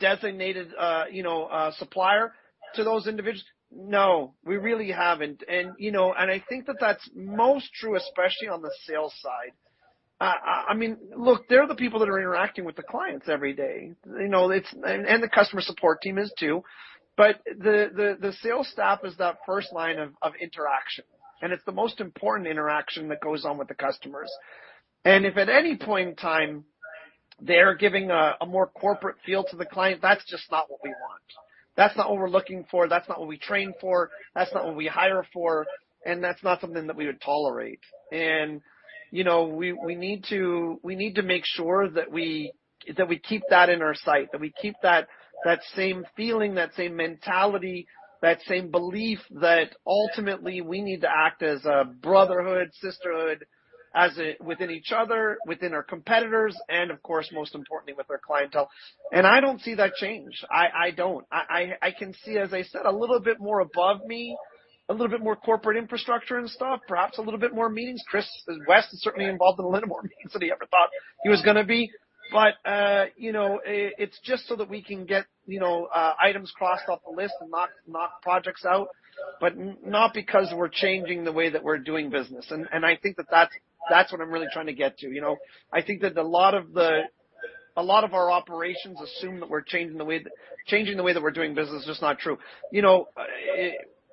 designated, you know, supplier to those individuals? No, we really haven't. You know, I think that that's most true, especially on the sales side. I mean, look, they're the people that are interacting with the clients every day. You know, it's the customer support team is too. The sales staff is that first line of interaction, and it's the most important interaction that goes on with the customers. If at any point in time they're giving a more corporate feel to the client. That's just not what we want. That's not what we're looking for, that's not what we train for, that's not what we hire for, and that's not something that we would tolerate. You know, we need to make sure that we keep that in our sight, that same feeling, that same mentality, that same belief that ultimately we need to act as a brotherhood, sisterhood within each other, within our competitors, and of course, most importantly, with our clientele. I don't see that change. I don't. I can see, as I said, a little bit more above me, a little bit more corporate infrastructure and stuff, perhaps a little bit more meetings. Chris West is certainly involved in a little more meetings than he ever thought he was gonna be. You know, it's just so that we can get, you know, items crossed off the list and knock projects out, but not because we're changing the way that we're doing business. I think that that's what I'm really trying to get to, you know. I think that a lot of our operations assume that we're changing the way that we're doing business is just not true. You know,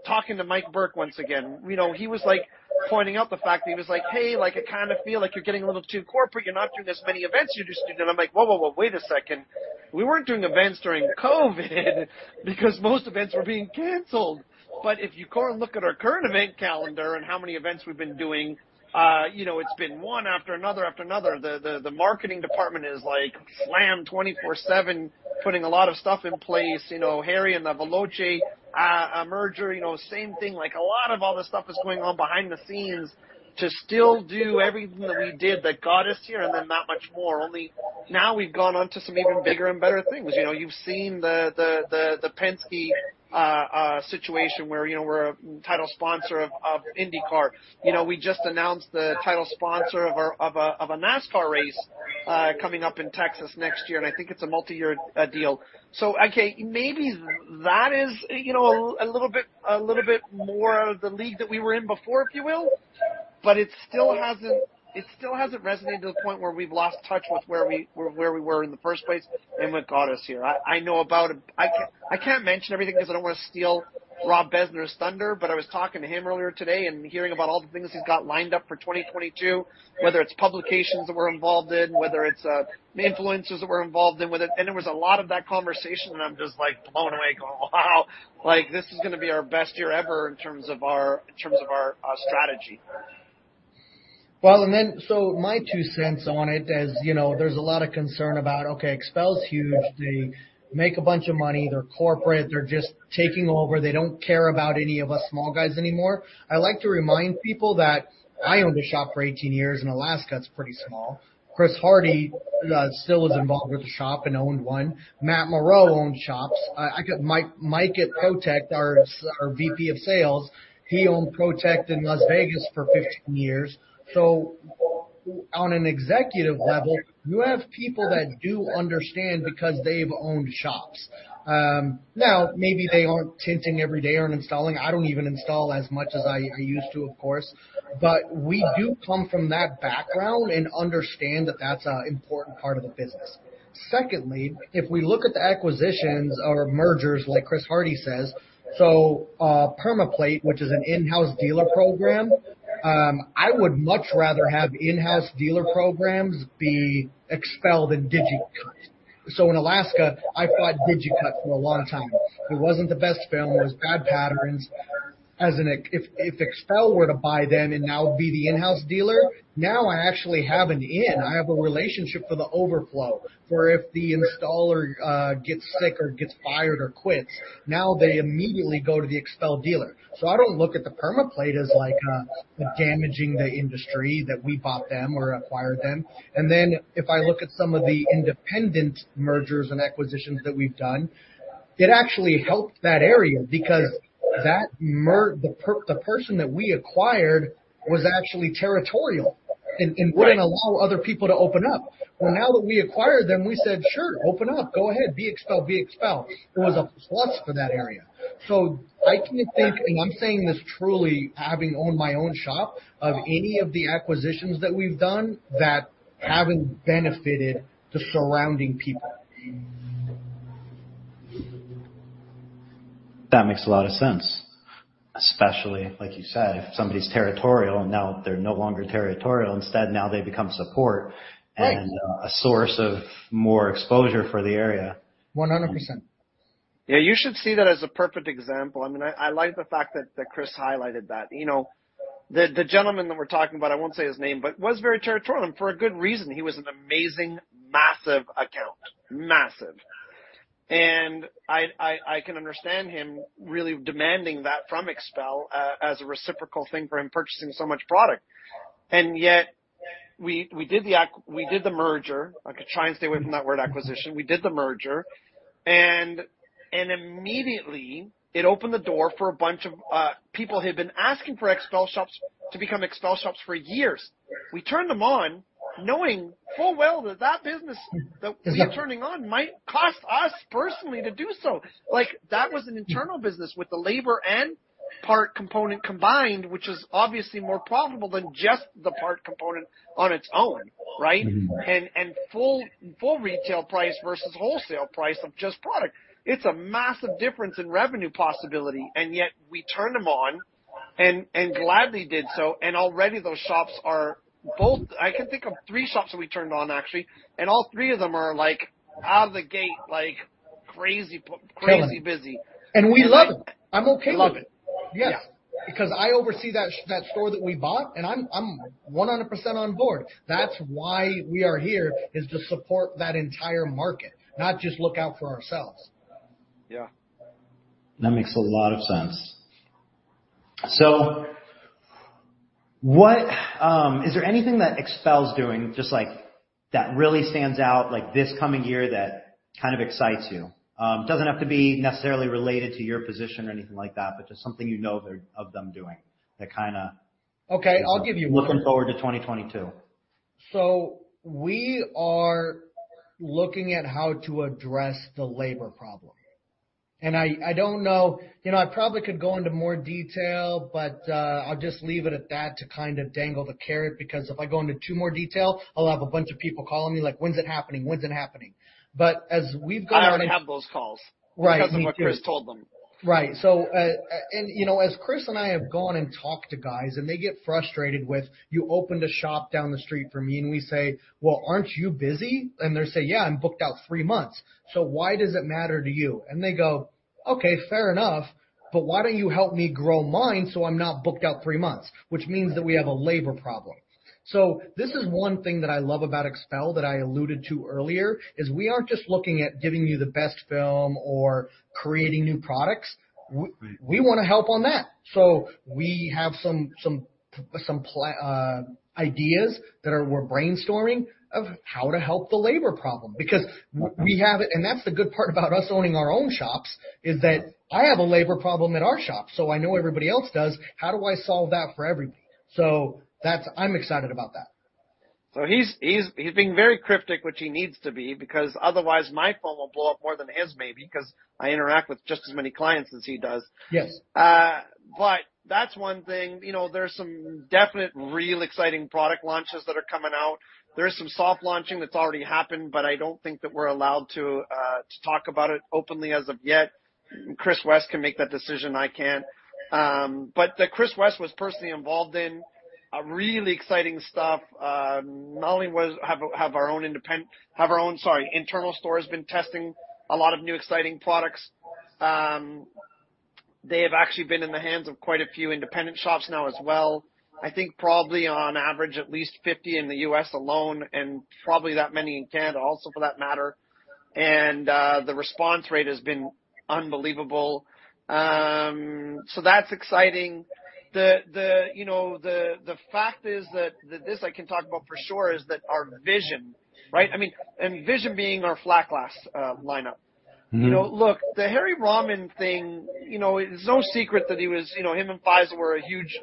talking to Mike Burke once again, you know, he was, like, pointing out the fact that he was like, "Hey, like, I kind of feel like you're getting a little too corporate. You're not doing as many events. You're just doing." I'm like, "Whoa, wait a second. We weren't doing events during COVID because most events were being canceled. If you go and look at our current event calendar and how many events we've been doing, you know, it's been one after another after another. The marketing department is, like, slammed 24/7, putting a lot of stuff in place. You know, Harry and the Veloce merger, you know, same thing. Like, a lot of all this stuff is going on behind the scenes to still do everything that we did that got us here and then that much more. Only now we've gone on to some even bigger and better things. You know, you've seen the Penske situation where, you know, we're a title sponsor of INDYCAR. You know, we just announced the title sponsor of a NASCAR race coming up in Texas next year, and I think it's a multi-year deal. Okay, maybe that is, you know, a little bit more of the league that we were in before, if you will, but it still hasn't resonated to the point where we've lost touch with where we were in the first place and what got us here. I know about it. I can't mention everything because I don't want to steal Rob Bezner's thunder, but I was talking to him earlier today and hearing about all the things he's got lined up for 2022, whether it's publications that we're involved in, whether it's the influencers that we're involved in with it. There was a lot of that conversation and I'm just like blown away going, "Wow." Like, this is gonna be our best year ever in terms of our strategy. My two cents on it is, you know, there's a lot of concern about, okay, XPEL's huge. They make a bunch of money. They're corporate. They're just taking over. They don't care about any of us small guys anymore. I like to remind people that I owned a shop for 18 years in Alaska. It's pretty small. Chris Hardy still is involved with the shop and owned one. Matt Moreau owned shops. Mike at Pro-Tect, our VP of sales, he owned Pro-Tect in Las Vegas for 15 years. On an executive level, you have people that do understand because they've owned shops. Now maybe they aren't tinting every day or installing. I don't even install as much as I used to, of course. We do come from that background and understand that that's an important part of the business. Secondly, if we look at the acquisitions or mergers like Chris Hardy says, PermaPlate, which is an in-house dealer program, I would much rather have in-house dealer programs be XPEL and DigiCut. In Alaska, I fought DigiCut for a long time. It wasn't the best film. It was bad patterns. If XPEL were to buy them and now be the in-house dealer, now I actually have an in. I have a relationship for the overflow for if the installer gets sick or gets fired or quits, now they immediately go to the XPEL dealer. I don't look at the PermaPlate as like damaging the industry that we bought them or acquired them. If I look at some of the independent mergers and acquisitions that we've done, it actually helped that area because the person that we acquired was actually territorial and wouldn't allow other people to open up. Well, now that we acquired them, we said, "Sure, open up. Go ahead. Be XPEL." It was a plus for that area. I can think, and I'm saying this truly having owned my own shop, of any of the acquisitions that we've done that haven't benefited the surrounding people. That makes a lot of sense, especially like you said, if somebody's territorial and now they're no longer territorial, instead now they become support. Right. a source of more exposure for the area. 100%. Yeah, you should see that as a perfect example. I mean, I like the fact that Chris highlighted that. You know, the gentleman that we're talking about, I won't say his name, but was very territorial and for a good reason. He was an amazing, massive account. Massive. I can understand him really demanding that from XPEL as a reciprocal thing for him purchasing so much product. Yet we did the merger. I could try and stay away from that word acquisition. We did the merger and immediately it opened the door for a bunch of people who had been asking for XPEL shops to become XPEL shops for years. We turned them on knowing full well that that business that we're turning on might cost us personally to do so. Like, that was an internal business with the labor and part component combined, which is obviously more profitable than just the part component on its own, right? Mm-hmm. Full retail price versus wholesale price of just product. It's a massive difference in revenue possibility, and yet we turn them on and gladly did so. Already those shops, I can think of three shops that we turned on actually, and all three of them are like out of the gate, like crazy busy. We love it. I'm okay with it. Love it. Yes. Because I oversee that store that we bought, and I'm 100% on board. That's why we are here, is to support that entire market, not just look out for ourselves. Yeah. That makes a lot of sense. Is there anything that XPEL's doing just like that really stands out, like this coming year that kind of excites you? Doesn't have to be necessarily related to your position or anything like that, but just something you know one of them doing that kinda- Okay. I'll give you one. Looking forward to 2022. We are looking at how to address the labor problem. I don't know. You know, I probably could go into more detail, but I'll just leave it at that to kind of dangle the carrot, because if I go into too much more detail, I'll have a bunch of people calling me like, "When's it happening? When's it happening?" But as we've gone on. I already have those calls. Right. Me too. Because of what Chris told them. Right. You know, as Chris and I have gone and talked to guys, and they get frustrated with, "You opened a shop down the street from me." We say, "Well, aren't you busy?" They say, "Yeah, I'm booked out three months." "Why does it matter to you?" They go, "Okay, fair enough. Why don't you help me grow mine, so I'm not booked out three months?" Which means that we have a labor problem. This is one thing that I love about XPEL that I alluded to earlier, is we aren't just looking at giving you the best film or creating new products. We wanna help on that. We have some ideas that we're brainstorming of how to help the labor problem because we have it. That's the good part about us owning our own shops, is that I have a labor problem in our shop, so I know everybody else does. How do I solve that for everybody? That's. I'm excited about that. He's being very cryptic, which he needs to be, because otherwise my phone will blow up more than his maybe, 'cause I interact with just as many clients as he does. Yes. That's one thing. You know, there's some definite real exciting product launches that are coming out. There's some soft launching that's already happened, but I don't think that we're allowed to talk about it openly as of yet. Chris West can make that decision, I can't. That Chris West was personally involved in really exciting stuff. Not only have our own internal store has been testing a lot of new exciting products. They have actually been in the hands of quite a few independent shops now as well. I think probably on average at least 50 in the U.S. alone and probably that many in Canada also for that matter. The response rate has been unbelievable. So that's exciting. You know, the fact is that this I can talk about for sure is that our VISION, right? I mean, VISION being our flat glass lineup. Mm-hmm. You know, look, the Harry Rahman thing, you know, it's no secret that he was, you know, him and Fiza were a huge,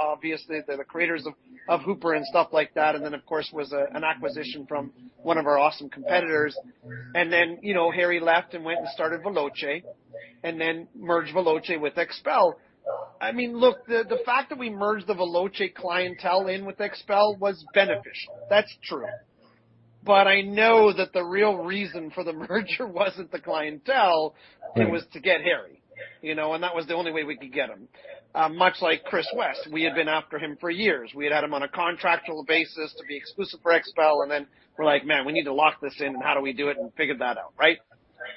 obviously they're the creators of Hüper and stuff like that, then, of course, it was an acquisition from one of our awesome competitors. Then, you know, Harry left and went and started Veloce and then merged Veloce with XPEL. I mean, look, the fact that we merged the Veloce clientele in with XPEL was beneficial. That's true. I know that the real reason for the merger wasn't the clientele. Mm. It was to get Harry, you know, and that was the only way we could get him. Much like Chris West, we had been after him for years. We had had him on a contractual basis to be exclusive for XPEL, and then we're like, "Man, we need to lock this in and how do we do it?" Figured that out, right?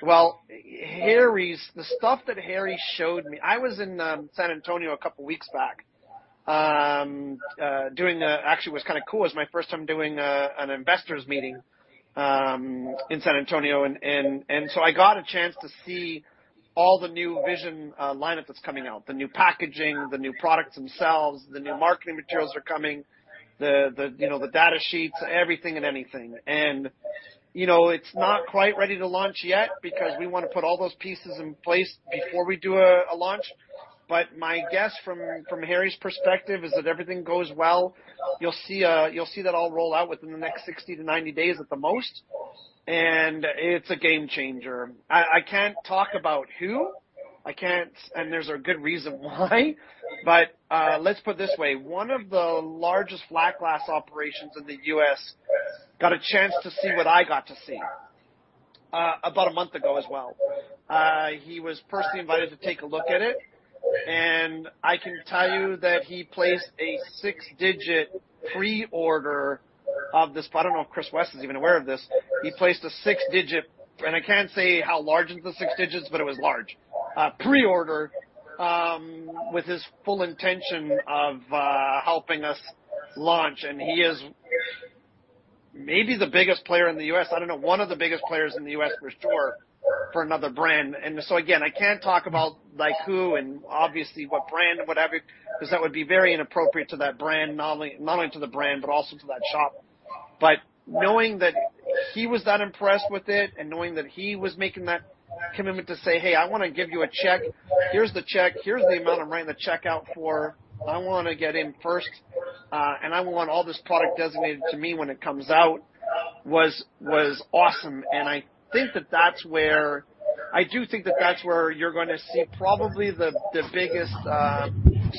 Well, Harry's the stuff that Harry showed me. I was in San Antonio a couple weeks back, doing. Actually it was kinda cool. It was my first time doing an investor's meeting in San Antonio. So I got a chance to see all the new Vision lineup that's coming out, the new packaging, the new products themselves, the new marketing materials are coming, you know, the data sheets, everything and anything. You know, it's not quite ready to launch yet because we wanna put all those pieces in place before we do a launch. My guess from Harry's perspective is that everything goes well. You'll see that all roll out within the next 60-90 days at the most. It's a game changer. I can't talk about who, and there's a good reason why. Let's put it this way, one of the largest flat glass operations in the U.S. got a chance to see what I got to see about a month ago as well. He was personally invited to take a look at it, and I can tell you that he placed a six-digit pre-order of this product. I don't know if Chris West is even aware of this. He placed a six-digit, and I can't say how large is the six digits, but it was large, pre-order, with his full intention of, helping us launch. He is maybe the biggest player in the U.S., I don't know, one of the biggest players in the U.S. per store for another brand. I can't talk about, like, who and obviously what brand or whatever, 'cause that would be very inappropriate to that brand, not only to the brand, but also to that shop. Knowing that he was that impressed with it and knowing that he was making that commitment to say, "Hey, I wanna give you a check. Here's the check. Here's the amount I'm writing the check out for. I wanna get in first, and I want all this product designated to me when it comes out. It was awesome. I think that's where you're gonna see probably the biggest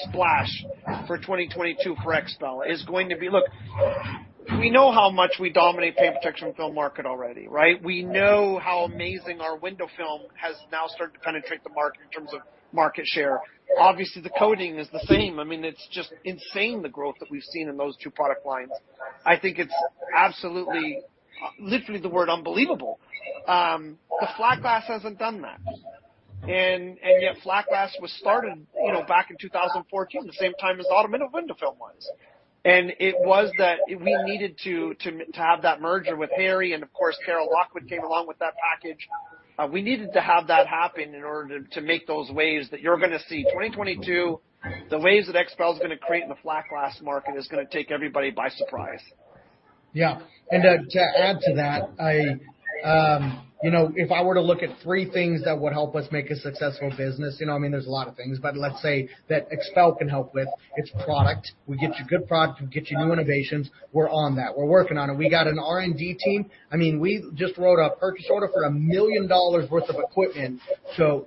splash for 2022 for XPEL. Look, we know how much we dominate paint protection film market already, right? We know how amazing our window film has now started to penetrate the market in terms of market share. Obviously, the coating is the same. I mean, it's just insane the growth that we've seen in those two product lines. I think it's absolutely, literally the word unbelievable. But flat glass hasn't done that. Yet flat glass was started, you know, back in 2014, the same time as automotive window film was. It was that we needed to have that merger with Harry, and of course, Carol Lockwood came along with that package. We needed to have that happen in order to make those waves that you're gonna see. 2022, the waves that XPEL's gonna create in the flat glass market is gonna take everybody by surprise. Yeah. To add to that, you know, if I were to look at three things that would help us make a successful business, you know, I mean, there's a lot of things, but let's say that XPEL can help with its product. We get you good product, we get you new innovations. We're on that. We're working on it. We got an R&D team. I mean, we just wrote a purchase order for $1 million worth of equipment. To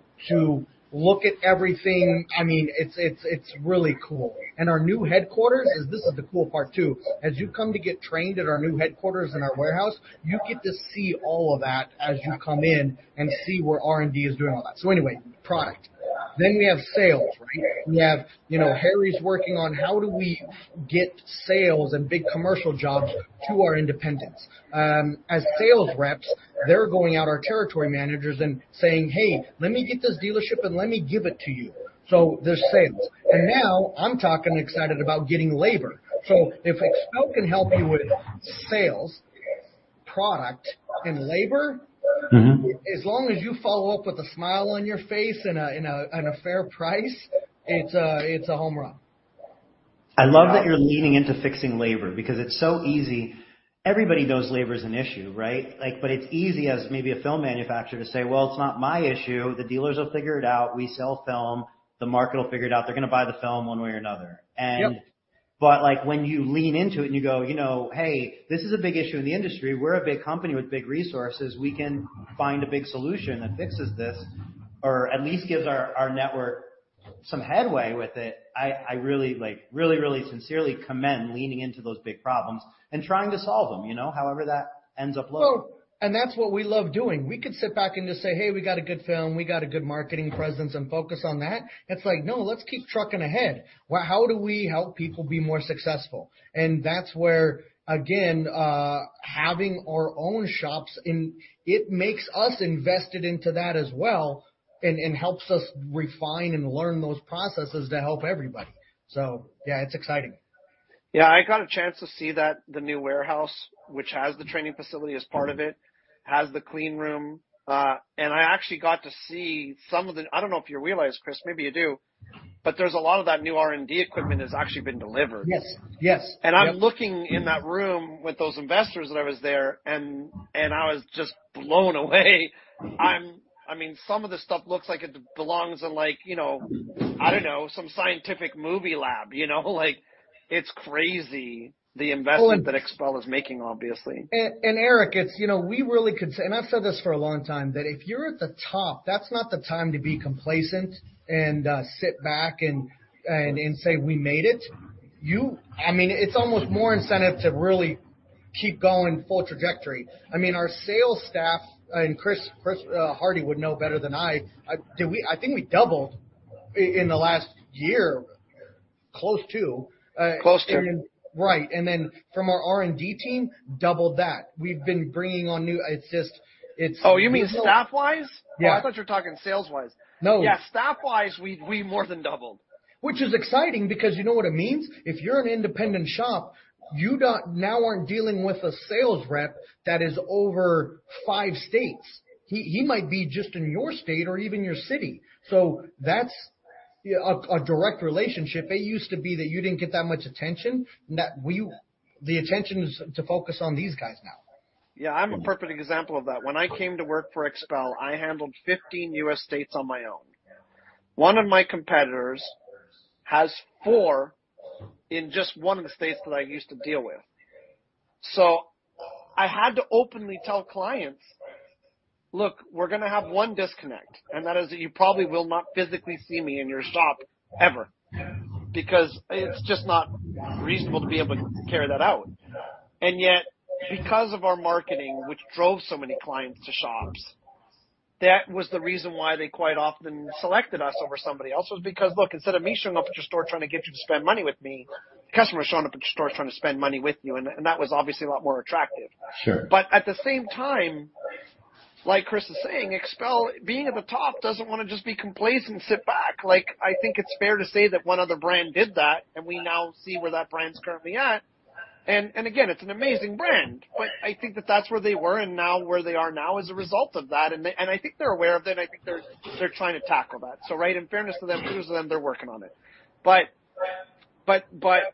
look at everything, I mean, it's really cool. Our new headquarters, this is the cool part too. As you come to get trained at our new headquarters and our warehouse, you get to see all of that as you come in and see where R&D is doing all that. Anyway, product. We have sales, right? We have, you know, Harry's working on how do we get sales and big commercial jobs to our independents. As sales reps, they're going out to our territory managers and saying, "Hey, let me get this dealership and let me give it to you." There's sales. Now I'm talking, excited about getting labor. If XPEL can help you with sales, product, and labor- Mm-hmm... as long as you follow up with a smile on your face and a fair price, it's a home run. I love that you're leaning into fixing labor because it's so easy. Everybody knows labor is an issue, right? Like, but it's easy as maybe a film manufacturer to say, "Well, it's not my issue. The dealers will figure it out. We sell film, the market will figure it out. They're gonna buy the film one way or another. Yep. Like, when you lean into it and you go, you know, "Hey, this is a big issue in the industry. We're a big company with big resources, we can find a big solution that fixes this or at least gives our network some headway with it," I really, like, really sincerely commend leaning into those big problems and trying to solve them, you know, however that ends up looking. Well, that's what we love doing. We could sit back and just say, "Hey, we got a good film. We got a good marketing presence," and focus on that. It's like, no, let's keep trucking ahead. Well, how do we help people be more successful? That's where, again, having our own shops, and it makes us invested into that as well and helps us refine and learn those processes to help everybody. Yeah, it's exciting. Yeah. I got a chance to see that, the new warehouse, which has the training facility as part of it, has the clean room. I actually got to see some of the, I don't know if you realize, Chris, maybe you do, but there's a lot of that new R&D equipment that's actually been delivered. Yes. Yes. Yep. I'm looking in that room with those investors when I was there, and I was just blown away. I mean, some of the stuff looks like it belongs in like, you know, I don't know, some scientific movie lab, you know? Like, it's crazy the investment that XPEL is making, obviously. Erik, it's, you know, we really could say, and I've said this for a long time, that if you're at the top, that's not the time to be complacent and sit back and say, "We made it." You. I mean, it's almost more incentive to really keep going full trajectory. I mean, our sales staff, and Chris Hardy would know better than I. Did we. I think we doubled in the last year, close to. Close to. Right. From our R&D team, double that. We've been bringing on new. It's just, it's. Oh, you mean staff-wise? Yeah. I thought you were talking sales-wise. No. Yeah, staff-wise, we more than doubled. Which is exciting because you know what it means? If you're an independent shop, now aren't dealing with a sales rep that is over five states. He might be just in your state or even your city. So that's a direct relationship. It used to be that you didn't get that much attention. The attention is to focus on these guys now. Yeah. I'm a perfect example of that. When I came to work for XPEL, I handled 15 U.S. states on my own. One of my competitors has four in just one of the states that I used to deal with. I had to openly tell clients, "Look, we're gonna have one disconnect, and that is that you probably will not physically see me in your shop ever because it's just not reasonable to be able to carry that out." Because of our marketing, which drove so many clients to shops, that was the reason why they quite often selected us over somebody else, was because, look, instead of me showing up at your store trying to get you to spend money with me, customers showing up at your store trying to spend money with you, and that was obviously a lot more attractive. Sure. At the same time, like Chris is saying, XPEL being at the top doesn't wanna just be complacent and sit back. Like, I think it's fair to say that one other brand did that, and we now see where that brand's currently at. Again, it's an amazing brand, but I think that that's where they were and now where they are now as a result of that. I think they're aware of that, and I think they're trying to tackle that. Right, in fairness to them, kudos to them, they're working on it.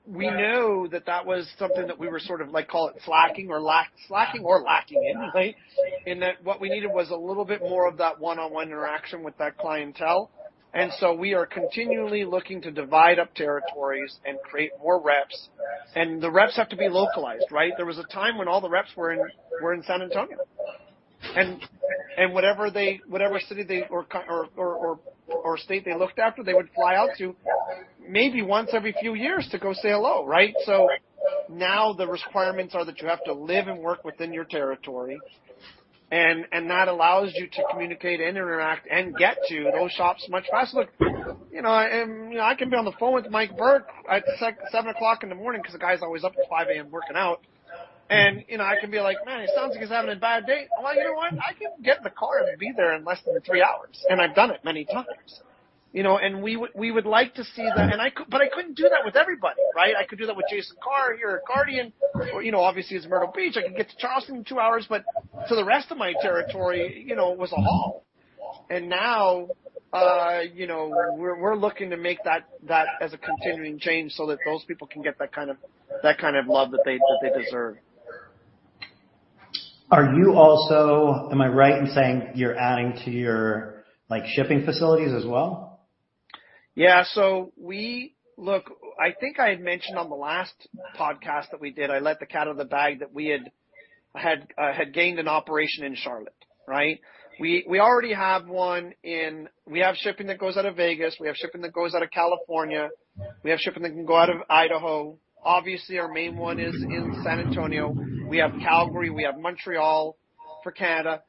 We know that that was something that we were sort of like, call it slacking or lacking in, right? What we needed was a little bit more of that one-on-one interaction with that clientele. We are continually looking to divide up territories and create more reps. The reps have to be localized, right? There was a time when all the reps were in San Antonio, and whatever city or state they looked after, they would fly out to maybe once every few years to go say hello, right? Now the requirements are that you have to live and work within your territory, and that allows you to communicate and interact and get to those shops much faster. I can be on the phone with Mike Burke at seven o'clock in the morning because the guy's always up at 5 A.M. working out. You know, I can be like, "Man, he sounds like he's having a bad day." I'm like, "You know what? I can get in the car and be there in less than three hours." I've done it many times. You know, we would like to see that. I couldn't do that with everybody, right? I could do that with Jason Carr here at Guardian or, you know, obviously it's Myrtle Beach. I could get to Charleston in two hours, but for the rest of my territory, you know, it was a haul. Now, you know, we're looking to make that as a continuing change so that those people can get that kind of love that they deserve. Am I right in saying you're adding to your, like, shipping facilities as well? Yeah. Look, I think I had mentioned on the last podcast that we did. I let the cat out of the bag that we had gained an operation in Charlotte, right? We already have one in. We have shipping that goes out of Vegas. We have shipping that goes out of California. We have shipping that can go out of Idaho. Obviously, our main one is in San Antonio. We have Calgary. We have Montreal for Canada.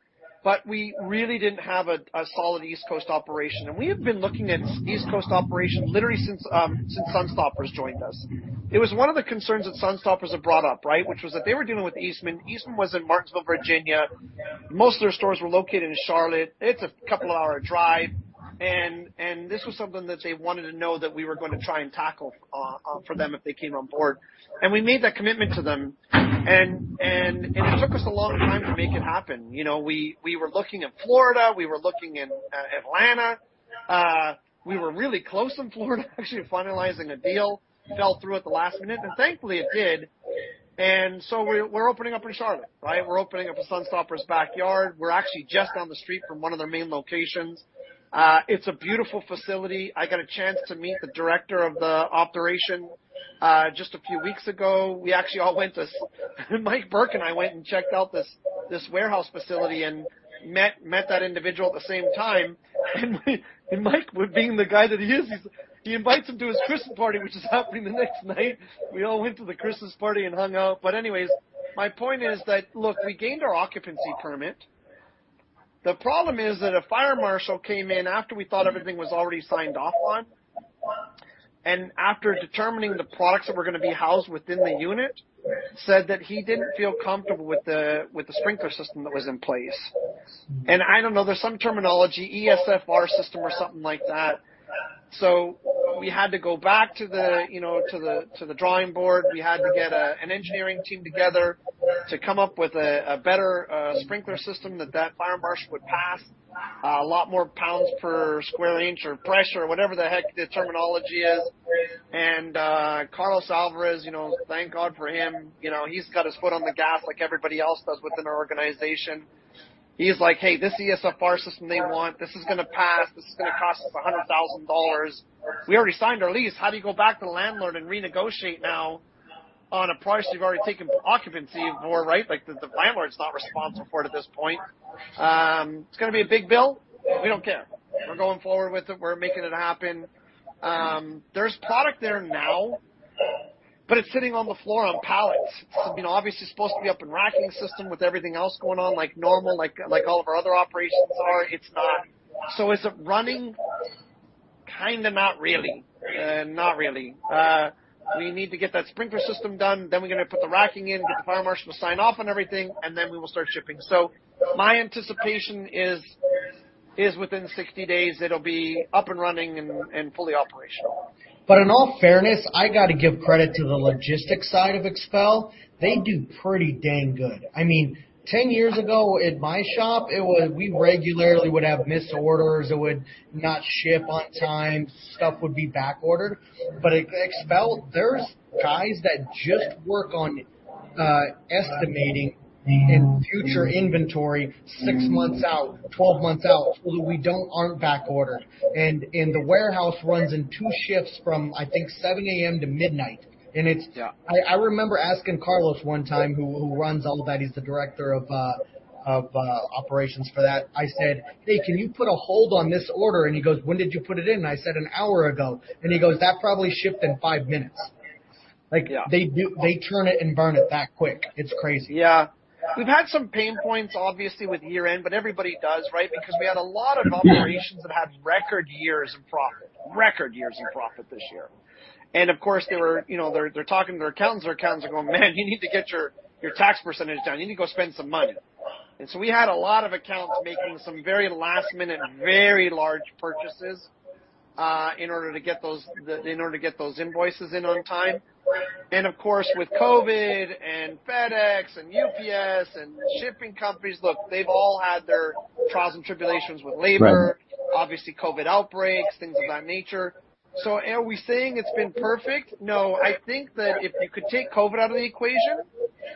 We really didn't have a solid East Coast operation. We have been looking at East Coast operations literally since Sun Stoppers joined us. It was one of the concerns that Sun Stoppers had brought up, right? Which was that they were dealing with Eastman. Eastman was in Martinsville, Virginia. Most of their stores were located in Charlotte. It's a couple-hour drive. This was something that they wanted to know that we were gonna try and tackle for them if they came on board. We made that commitment to them. It took us a long time to make it happen. You know, we were looking in Florida. We were looking in Atlanta. We were really close in Florida, actually finalizing a deal. Fell through at the last minute, and thankfully it did. We're opening up in Charlotte, right? We're opening up in Sun Stoppers backyard. We're actually just down the street from one of their main locations. It's a beautiful facility. I got a chance to meet the director of the operation just a few weeks ago. We actually all went to Mike Burke and I went and checked out this warehouse facility and met that individual at the same time. Mike, with being the guy that he is, he invites him to his Christmas party, which is happening the next night. We all went to the Christmas party and hung out. Anyways, my point is that, look, we gained our occupancy permit. The problem is that a fire marshal came in after we thought everything was already signed off on, and after determining the products that were gonna be housed within the unit, said that he didn't feel comfortable with the sprinkler system that was in place. I don't know, there's some terminology, ESFR system or something like that. We had to go back to the, you know, drawing board. We had to get an engineering team together to come up with a better sprinkler system that fire marshal would pass, a lot more pounds per square inch or pressure or whatever the heck the terminology is. Carlos Alvarez, you know, thank God for him. You know, he's got his foot on the gas like everybody else does within our organization. He's like, "Hey, this ESFR system they want, this is gonna pass. This is gonna cost us $100,000." We already signed our lease. How do you go back to the landlord and renegotiate now on a price you've already taken occupancy for, right? Like, the landlord's not responsible for it at this point. It's gonna be a big bill. We don't care. We're going forward with it. We're making it happen. There's product there now, but it's sitting on the floor on pallets. It's, you know, obviously supposed to be up in racking system with everything else going on like normal, like all of our other operations are. It's not. Is it running? Kinda not really. Not really. We need to get that sprinkler system done, then we're gonna put the racking in, get the fire marshal to sign off on everything, and then we will start shipping. My anticipation is within 60 days it'll be up and running and fully operational. In all fairness, I got to give credit to the logistics side of XPEL. They do pretty dang good. I mean, 10 years ago at my shop, we regularly would have missed orders. It would not ship on time. Stuff would be backordered. At XPEL, there's guys that just work on estimating. Mm. future inventory 6 months out, 12 months out, so that we aren't backordered. The warehouse runs in 2 shifts from, I think, 7 A.M. to midnight. Yeah. I remember asking Carlos one time, who runs all of that. He's the Director of Operations for that. I said, "Hey, can you put a hold on this order?" He goes, "When did you put it in?" I said, "An hour ago." He goes, "That probably shipped in five minutes. Yeah. They turn it and burn it that quick. It's crazy. Yeah. We've had some pain points obviously with year-end, but everybody does, right? Because we had a lot of operations that had record years in profit this year. Of course, they were, you know, they're talking to their accountants, their accountants are going, "Man, you need to get your tax percentage down. You need to go spend some money." We had a lot of accounts making some very last-minute, very large purchases in order to get those invoices in on time. Of course, with COVID and FedEx and UPS and shipping companies, look, they've all had their trials and tribulations with labor. Right. Obviously COVID outbreaks, things of that nature. Are we saying it's been perfect? No. I think that if you could take COVID out of the equation.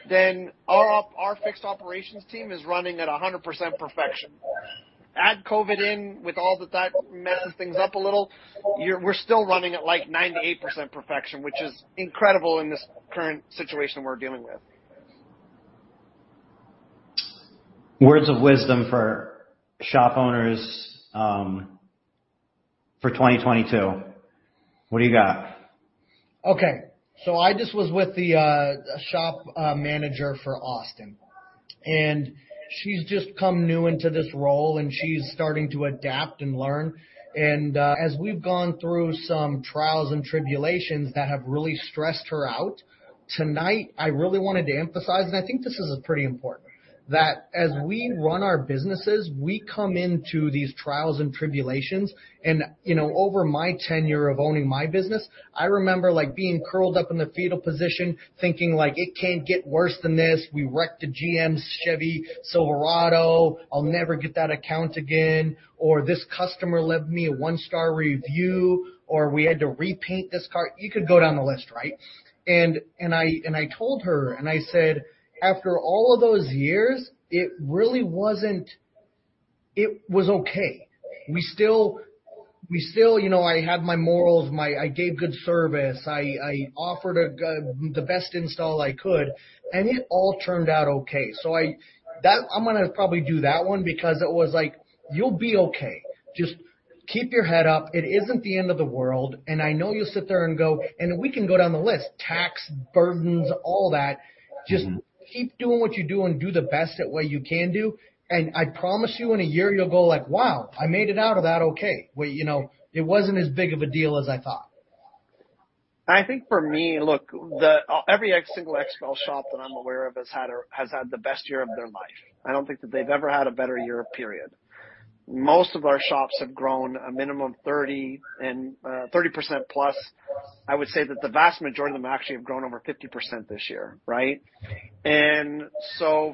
Then our fixed operations team is running at 100% perfection. Add COVID in with all that messed things up a little, we're still running at like 98% perfection, which is incredible in this current situation we're dealing with. Words of wisdom for shop owners, for 2022. What do you got? Okay. I just was with the shop manager for Austin, and she's just come new into this role, and she's starting to adapt and learn. As we've gone through some trials and tribulations that have really stressed her out, tonight I really wanted to emphasize, and I think this is pretty important, that as we run our businesses, we come into these trials and tribulations. You know, over my tenure of owning my business, I remember like being curled up in the fetal position, thinking like, "It can't get worse than this. We wrecked a GM Chevy Silverado. I'll never get that account again." Or, "This customer left me a one-star review," or, "We had to repaint this car." You could go down the list, right? I told her and I said, "After all of those years, it really wasn't... It was okay. We still, you know, I had my morals, I gave good service. I offered the best install I could, and it all turned out okay." That I'm gonna probably do that one because it was like, you'll be okay. Just keep your head up. It isn't the end of the world, and I know you'll sit there and go, and we can go down the list, tax burdens, all that. Mm-hmm. Just keep doing what you do and do the best at what you can do, and I promise you in a year you'll go like, "Wow, I made it out of that okay." Well, you know, "It wasn't as big of a deal as I thought. I think for me, look, every single XPEL shop that I'm aware of has had the best year of their life. I don't think that they've ever had a better year, period. Most of our shops have grown a minimum 30 and 30% plus. I would say that the vast majority of them actually have grown over 50% this year, right?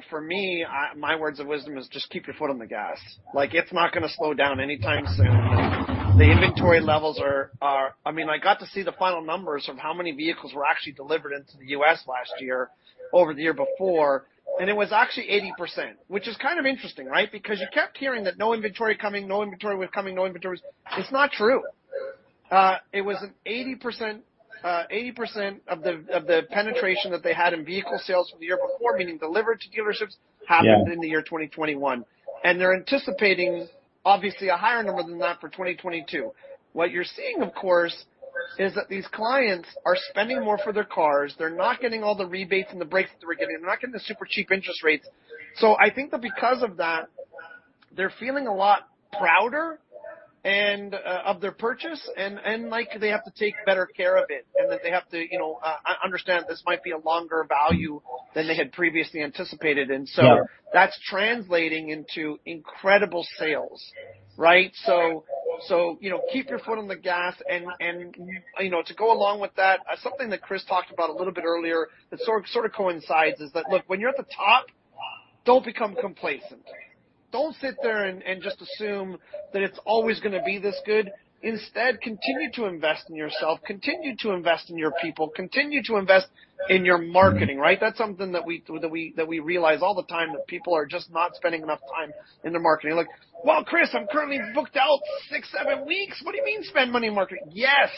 For me, my words of wisdom is just keep your foot on the gas. Like, it's not gonna slow down anytime soon. The inventory levels are. I mean, I got to see the final numbers from how many vehicles were actually delivered into the U.S. last year over the year before, and it was actually 80%, which is kind of interesting, right? Because you kept hearing that no inventory coming, no inventory was coming, no inventories. It's not true. It was an 80% of the penetration that they had in vehicle sales from the year before, meaning delivered to dealerships. Yeah. happened in the year 2021. They're anticipating obviously a higher number than that for 2022. What you're seeing, of course, is that these clients are spending more for their cars. They're not getting all the rebates and the breaks that they were getting. They're not getting the super cheap interest rates. I think that because of that, they're feeling a lot prouder and of their purchase and like they have to take better care of it and that they have to, you know, understand this might be a longer value than they had previously anticipated. So Yeah. That's translating into incredible sales, right? You know, keep your foot on the gas and, you know, to go along with that, something that Chris talked about a little bit earlier that sort of coincides is that, look, when you're at the top, don't become complacent. Don't sit there and just assume that it's always gonna be this good. Instead, continue to invest in yourself, continue to invest in your people, continue to invest in your marketing, right? That's something that we realize all the time, that people are just not spending enough time in their marketing. They're like, "Well, Chris, I'm currently booked out six, seven weeks. What do you mean spend money in marketing?" Yes.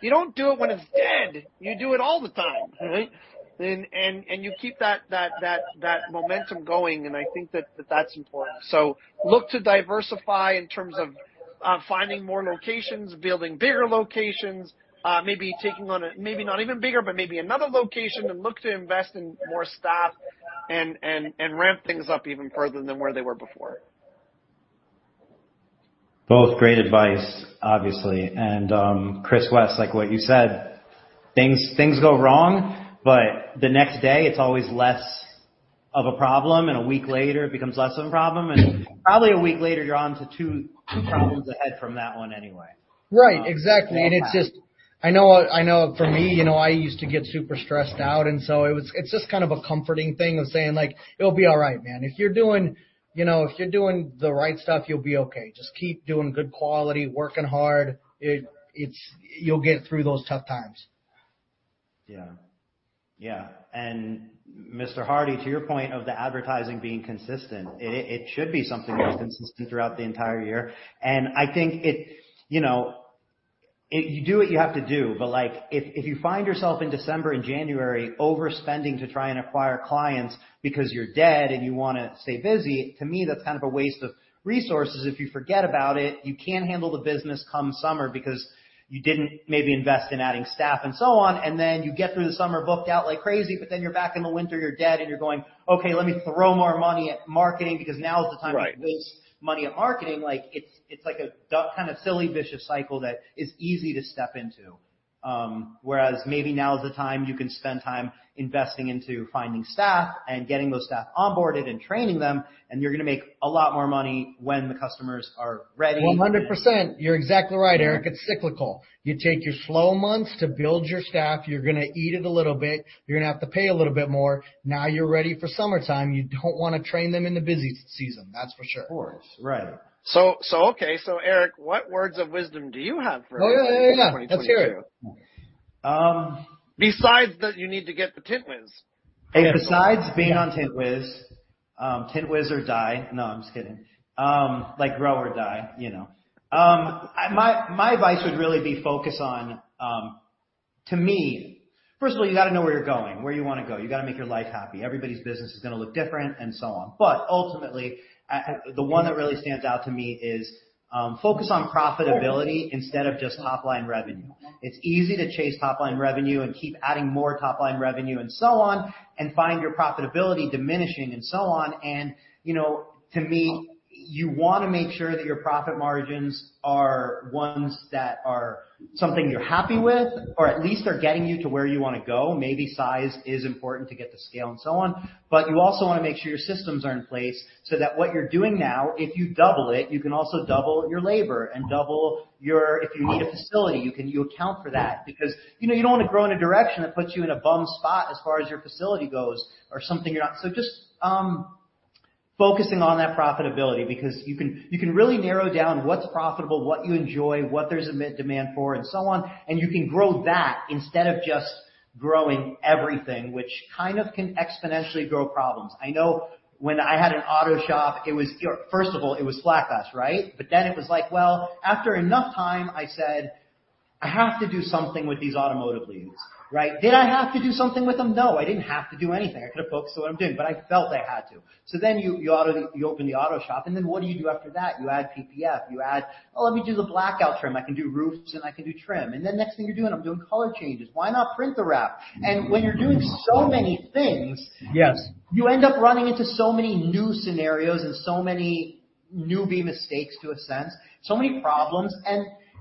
You don't do it when it's dead. You do it all the time, right? You keep that momentum going, and I think that's important. Look to diversify in terms of finding more locations, building bigger locations, maybe not even bigger, but maybe another location and look to invest in more staff and ramp things up even further than where they were before. Both great advice, obviously. Chris West, like what you said, things go wrong, but the next day it's always less of a problem, and a week later it becomes less of a problem. Probably a week later you're on to two problems ahead from that one anyway. Right. Exactly. Yeah. I know for me, you know, I used to get super stressed out. It's just kind of a comforting thing of saying like, "It'll be all right, man. If you're doing, you know, the right stuff, you'll be okay. Just keep doing good quality, working hard. It's. You'll get through those tough times. Yeah. Yeah. Mr. Hardy, to your point of the advertising being consistent, it should be something that's consistent throughout the entire year. I think you know, you do what you have to do. Like, if you find yourself in December and January overspending to try and acquire clients because you're dead and you wanna stay busy, to me, that's kind of a waste of resources if you forget about it. You can't handle the business come summer because you didn't maybe invest in adding staff and so on, and then you get through the summer booked out like crazy, but then you're back in the winter, you're dead, and you're going, "Okay, let me throw more money at marketing because now is the time to waste money at marketing." Like, it's like a kind of silly vicious cycle that is easy to step into. Whereas maybe now is the time you can spend time investing into finding staff and getting those staff onboarded and training them, and you're gonna make a lot more money when the customers are ready. 100%. You're exactly right, Erik. It's cyclical. You take your slow months to build your staff. You're gonna eat it a little bit. You're gonna have to pay a little bit more. Now you're ready for summertime. You don't wanna train them in the busy season, that's for sure. Of course. Right. Erik, what words of wisdom do you have for us in 2022? Oh, yeah, yeah. Let's hear it. Besides that you need to get the Tint Wiz. Besides being on Tint Wiz, tint wiz or die. No, I'm just kidding. Like grow or die, you know. My advice would really be focus on, to me. First of all, you gotta know where you're going, where you wanna go. You gotta make your life happy. Everybody's business is gonna look different, and so on. Ultimately, the one that really stands out to me is, focus on profitability instead of just top-line revenue. It's easy to chase top-line revenue and keep adding more top-line revenue and so on, and find your profitability diminishing and so on. You know, to me, you wanna make sure that your profit margins are ones that are something you're happy with, or at least are getting you to where you wanna go. Maybe size is important to get to scale and so on, but you also wanna make sure your systems are in place so that what you're doing now, if you double it, you can also double your labor and, if you need a facility, you account for that. Because, you know, you don't wanna grow in a direction that puts you in a bum spot as far as your facility goes or something you're not. Just focusing on that profitability, because you can really narrow down what's profitable, what you enjoy, what there's a market demand for and so on, and you can grow that instead of just growing everything, which kind of can exponentially grow problems. I know when I had an auto shop, it was first of all flat glass, right? It was like, well, after enough time, I said, "I have to do something with these automotive leads." Right? Did I have to do something with them? No, I didn't have to do anything. I could have focused on what I'm doing, but I felt I had to. You open the auto shop, and then what do you do after that? You add PPF. You add, "Oh, let me do the blackout trim. I can do roofs, and I can do trim." Next thing you're doing, "I'm doing color changes. Why not print the wrap?" When you're doing so many things. Yes. You end up running into so many new scenarios and so many newbie mistakes in a sense, so many problems.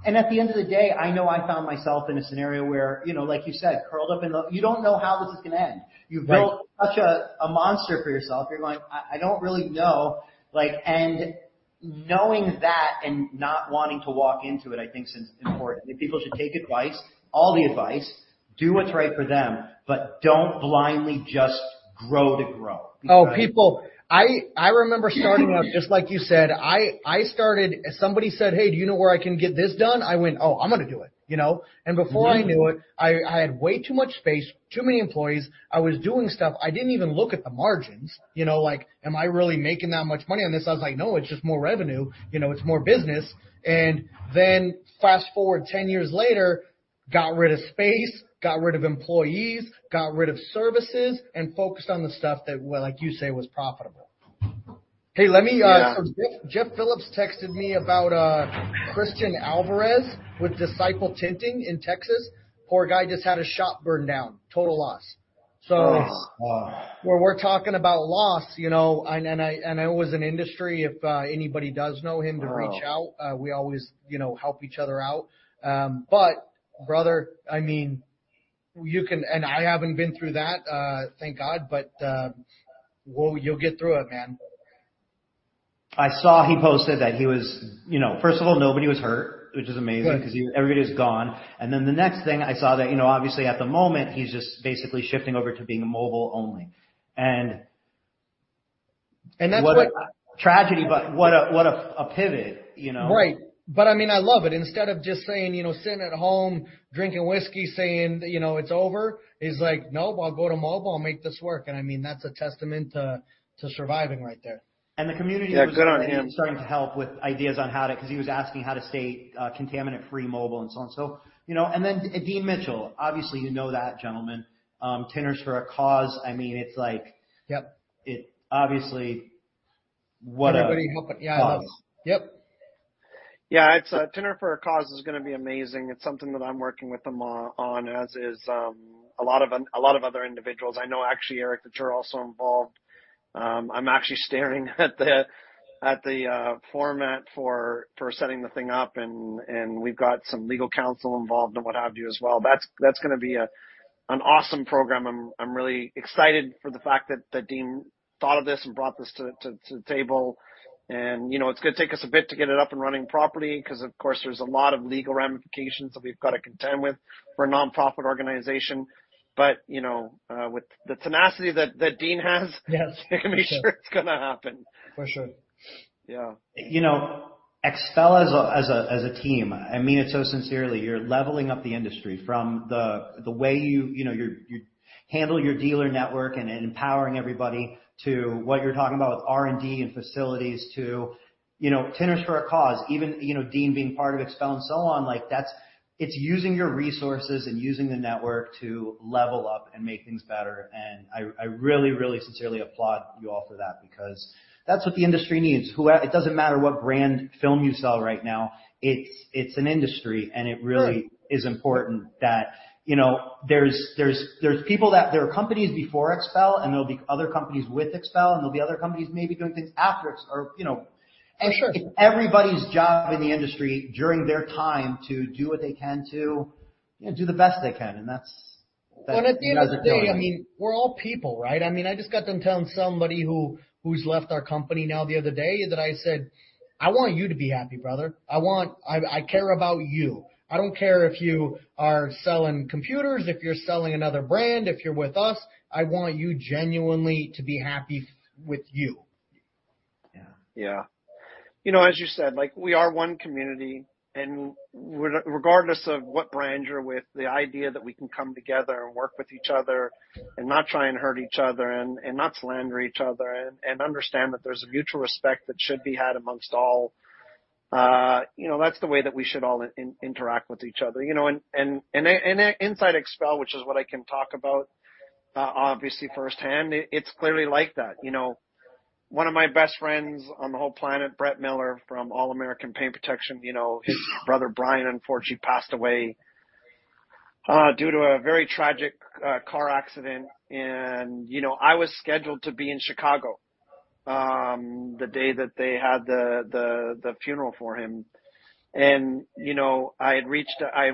At the end of the day, I know I found myself in a scenario where, you know, like you said, curled up in the. You don't know how this is gonna end. Right. You've built such a monster for yourself. You're going, "I don't really know." Like, knowing that and not wanting to walk into it, I think is important. People should take advice, all the advice, do what's right for them, but don't blindly just grow to grow. Because Oh, people, I remember starting out, just like you said, I started. Somebody said, "Hey, do you know where I can get this done?" I went, "Oh, I'm gonna do it." You know? Mm-hmm. Before I knew it, I had way too much space, too many employees. I was doing stuff, I didn't even look at the margins. You know? Like, am I really making that much money on this? I was like, "No, it's just more revenue. You know, it's more business." Fast-forward 10 years later, got rid of space, got rid of employees, got rid of services, and focused on the stuff that, well, like you say, was profitable. Hey, let me, Yeah. Jeff Phillips texted me about Christian Alvarez with Disciple Tinting in Texas. Poor guy just had his shop burned down, total loss. Nice. Wow. When we're talking about loss, you know, and it was an industry if anybody does know him to reach out. Wow. We always, you know, help each other out. Brother, I mean, I haven't been through that, thank God, but well, you'll get through it, man. I saw he posted that he was. You know, first of all, nobody was hurt, which is amazing. Good. Because everybody was gone. The next thing I saw that, you know, obviously, at the moment, he's just basically shifting over to being mobile only. That's what. Tragedy, but what a pivot, you know? Right. I mean, I love it. Instead of just saying, you know, sitting at home drinking whiskey saying, you know, "It's over," he's like, "Nope, I'll go to mobile and make this work." I mean, that's a testament to surviving right there. The community was Yeah, good on him. starting to help with ideas on how to. Because he was asking how to stay contaminant-free mobile and so on. You know, and then Dean Mitchell, obviously, you know that gentleman, Tinters for a Cause. I mean, it's like. Yep. It obviously what a- Everybody helping. Yeah. -cause. Yep. Yeah. It's Tinters for a Cause is gonna be amazing. It's something that I'm working with them on, as is a lot of other individuals. I know actually, Erik, that you're also involved. I'm actually staring at the format for setting the thing up, and we've got some legal counsel involved and what have you as well. That's gonna be an awesome program. I'm really excited for the fact that Dean thought of this and brought this to the table. You know, it's gonna take us a bit to get it up and running properly because, of course, there's a lot of legal ramifications that we've got to contend with for a nonprofit organization. You know, with the tenacity that Dean has. Yes. For sure. I can be sure it's gonna happen. For sure. Yeah. You know, XPEL as a team, I mean it so sincerely, you're leveling up the industry from the way you know, you handle your dealer network and empowering everybody to what you're talking about with R&D and facilities to, you know, Tinters for a Cause, even, you know, Dean being part of XPEL and so on. Like, that's it's using your resources and using the network to level up and make things better. I really sincerely applaud you all for that because that's what the industry needs. It doesn't matter what brand film you sell right now, it's an industry, and it really Sure. It's important that you know, there's people that there were companies before XPEL, and there'll be other companies with XPEL, and there'll be other companies maybe doing things after XPEL or, you know. For sure. It's everybody's job in the industry during their time to do what they can to, you know, do the best they can, and that's what you guys are doing. Well, at the end of the day, I mean, we're all people, right? I mean, I just got done telling somebody who's left our company now the other day that I said, "I want you to be happy, brother. I care about you. I don't care if you are selling computers, if you're selling another brand, if you're with us, I want you genuinely to be happy with you. Yeah. You know, as you said, like, we are one community, and regardless of what brand you're with, the idea that we can come together and work with each other and not try and hurt each other and not slander each other and understand that there's a mutual respect that should be had amongst all, you know, that's the way that we should all interact with each other. You know, in inside XPEL, which is what I can talk about, obviously firsthand, it's clearly like that. You know, one of my best friends on the whole planet, Brett Miller from All American Paint Protection, you know, his brother Brian unfortunately passed away due to a very tragic car accident. You know, I was scheduled to be in Chicago the day that they had the funeral for him. You know, I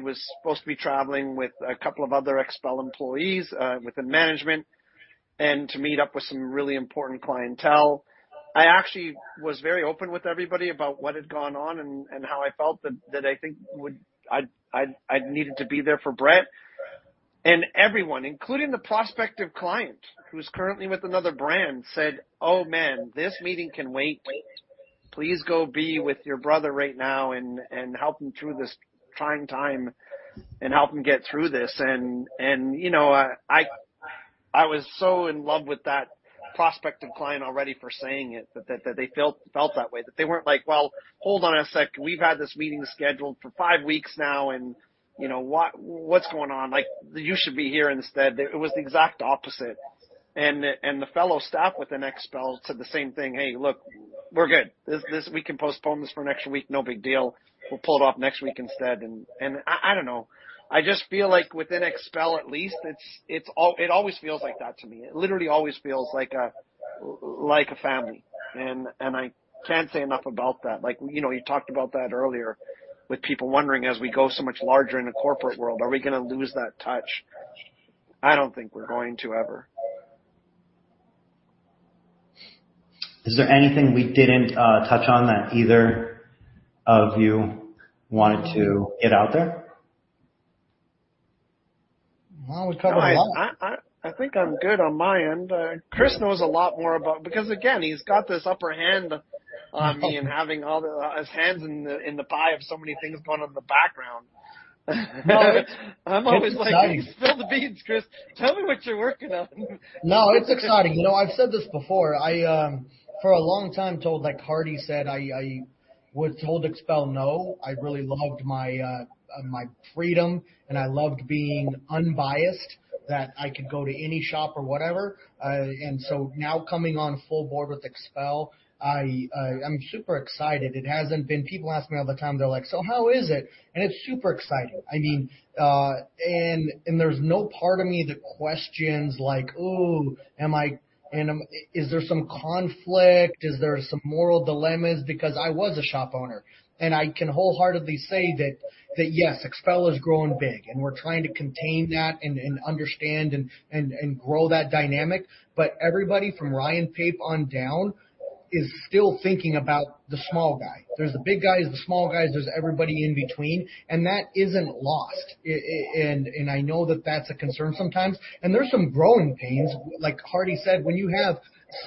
was supposed to be traveling with a couple of other XPEL employees within management and to meet up with some really important clientele. I actually was very open with everybody about what had gone on and how I felt that I think I'd needed to be there for Brett. Everyone, including the prospective client who's currently with another brand, said, "Oh man, this meeting can wait. Please go be with your brother right now and help him through this trying time and help him get through this." You know, I was so in love with that prospective client already for saying it, that they felt that way. That they weren't like, "Well, hold on a sec. We've had this meeting scheduled for five weeks now and, you know, what's going on? Like, "You should be here instead." It was the exact opposite. The fellow staff within XPEL said the same thing, "Hey, look, we're good. This we can postpone this for next week, no big deal. We'll pull it off next week instead." I don't know. I just feel like within XPEL at least it always feels like that to me. It literally always feels like a family. I can't say enough about that. Like, you know, you talked about that earlier with people wondering as we go so much larger in the corporate world, are we gonna lose that touch? I don't think we're going to ever. Is there anything we didn't touch on that either of you wanted to get out there? No, we've covered a lot. I think I'm good on my end. Chris knows a lot more about. Because again, he's got this upper hand on me in having all the, his hands in the, in the pie of so many things going on in the background. It's exciting. I'm always like, "Spill the beans, Chris. Tell me what you're working on." No, it's exciting. You know, I've said this before. I for a long time told, like Hardy said, I would told XPEL no. I really loved my freedom, and I loved being unbiased, that I could go to any shop or whatever. So now coming on full board with XPEL, I'm super excited. It hasn't been. People ask me all the time, they're like, "So how is it?" It's super exciting. I mean, there's no part of me that questions like, is there some conflict? Is there some moral dilemmas? Because I was a shop owner, and I can wholeheartedly say that yes, XPEL has grown big, and we're trying to contain that and understand and grow that dynamic. But everybody from Ryan Pape on down is still thinking about the small guy. There's the big guys, the small guys, there's everybody in between, and that isn't lost. I know that that's a concern sometimes. There's some growing pains. Like Hardy said, when you have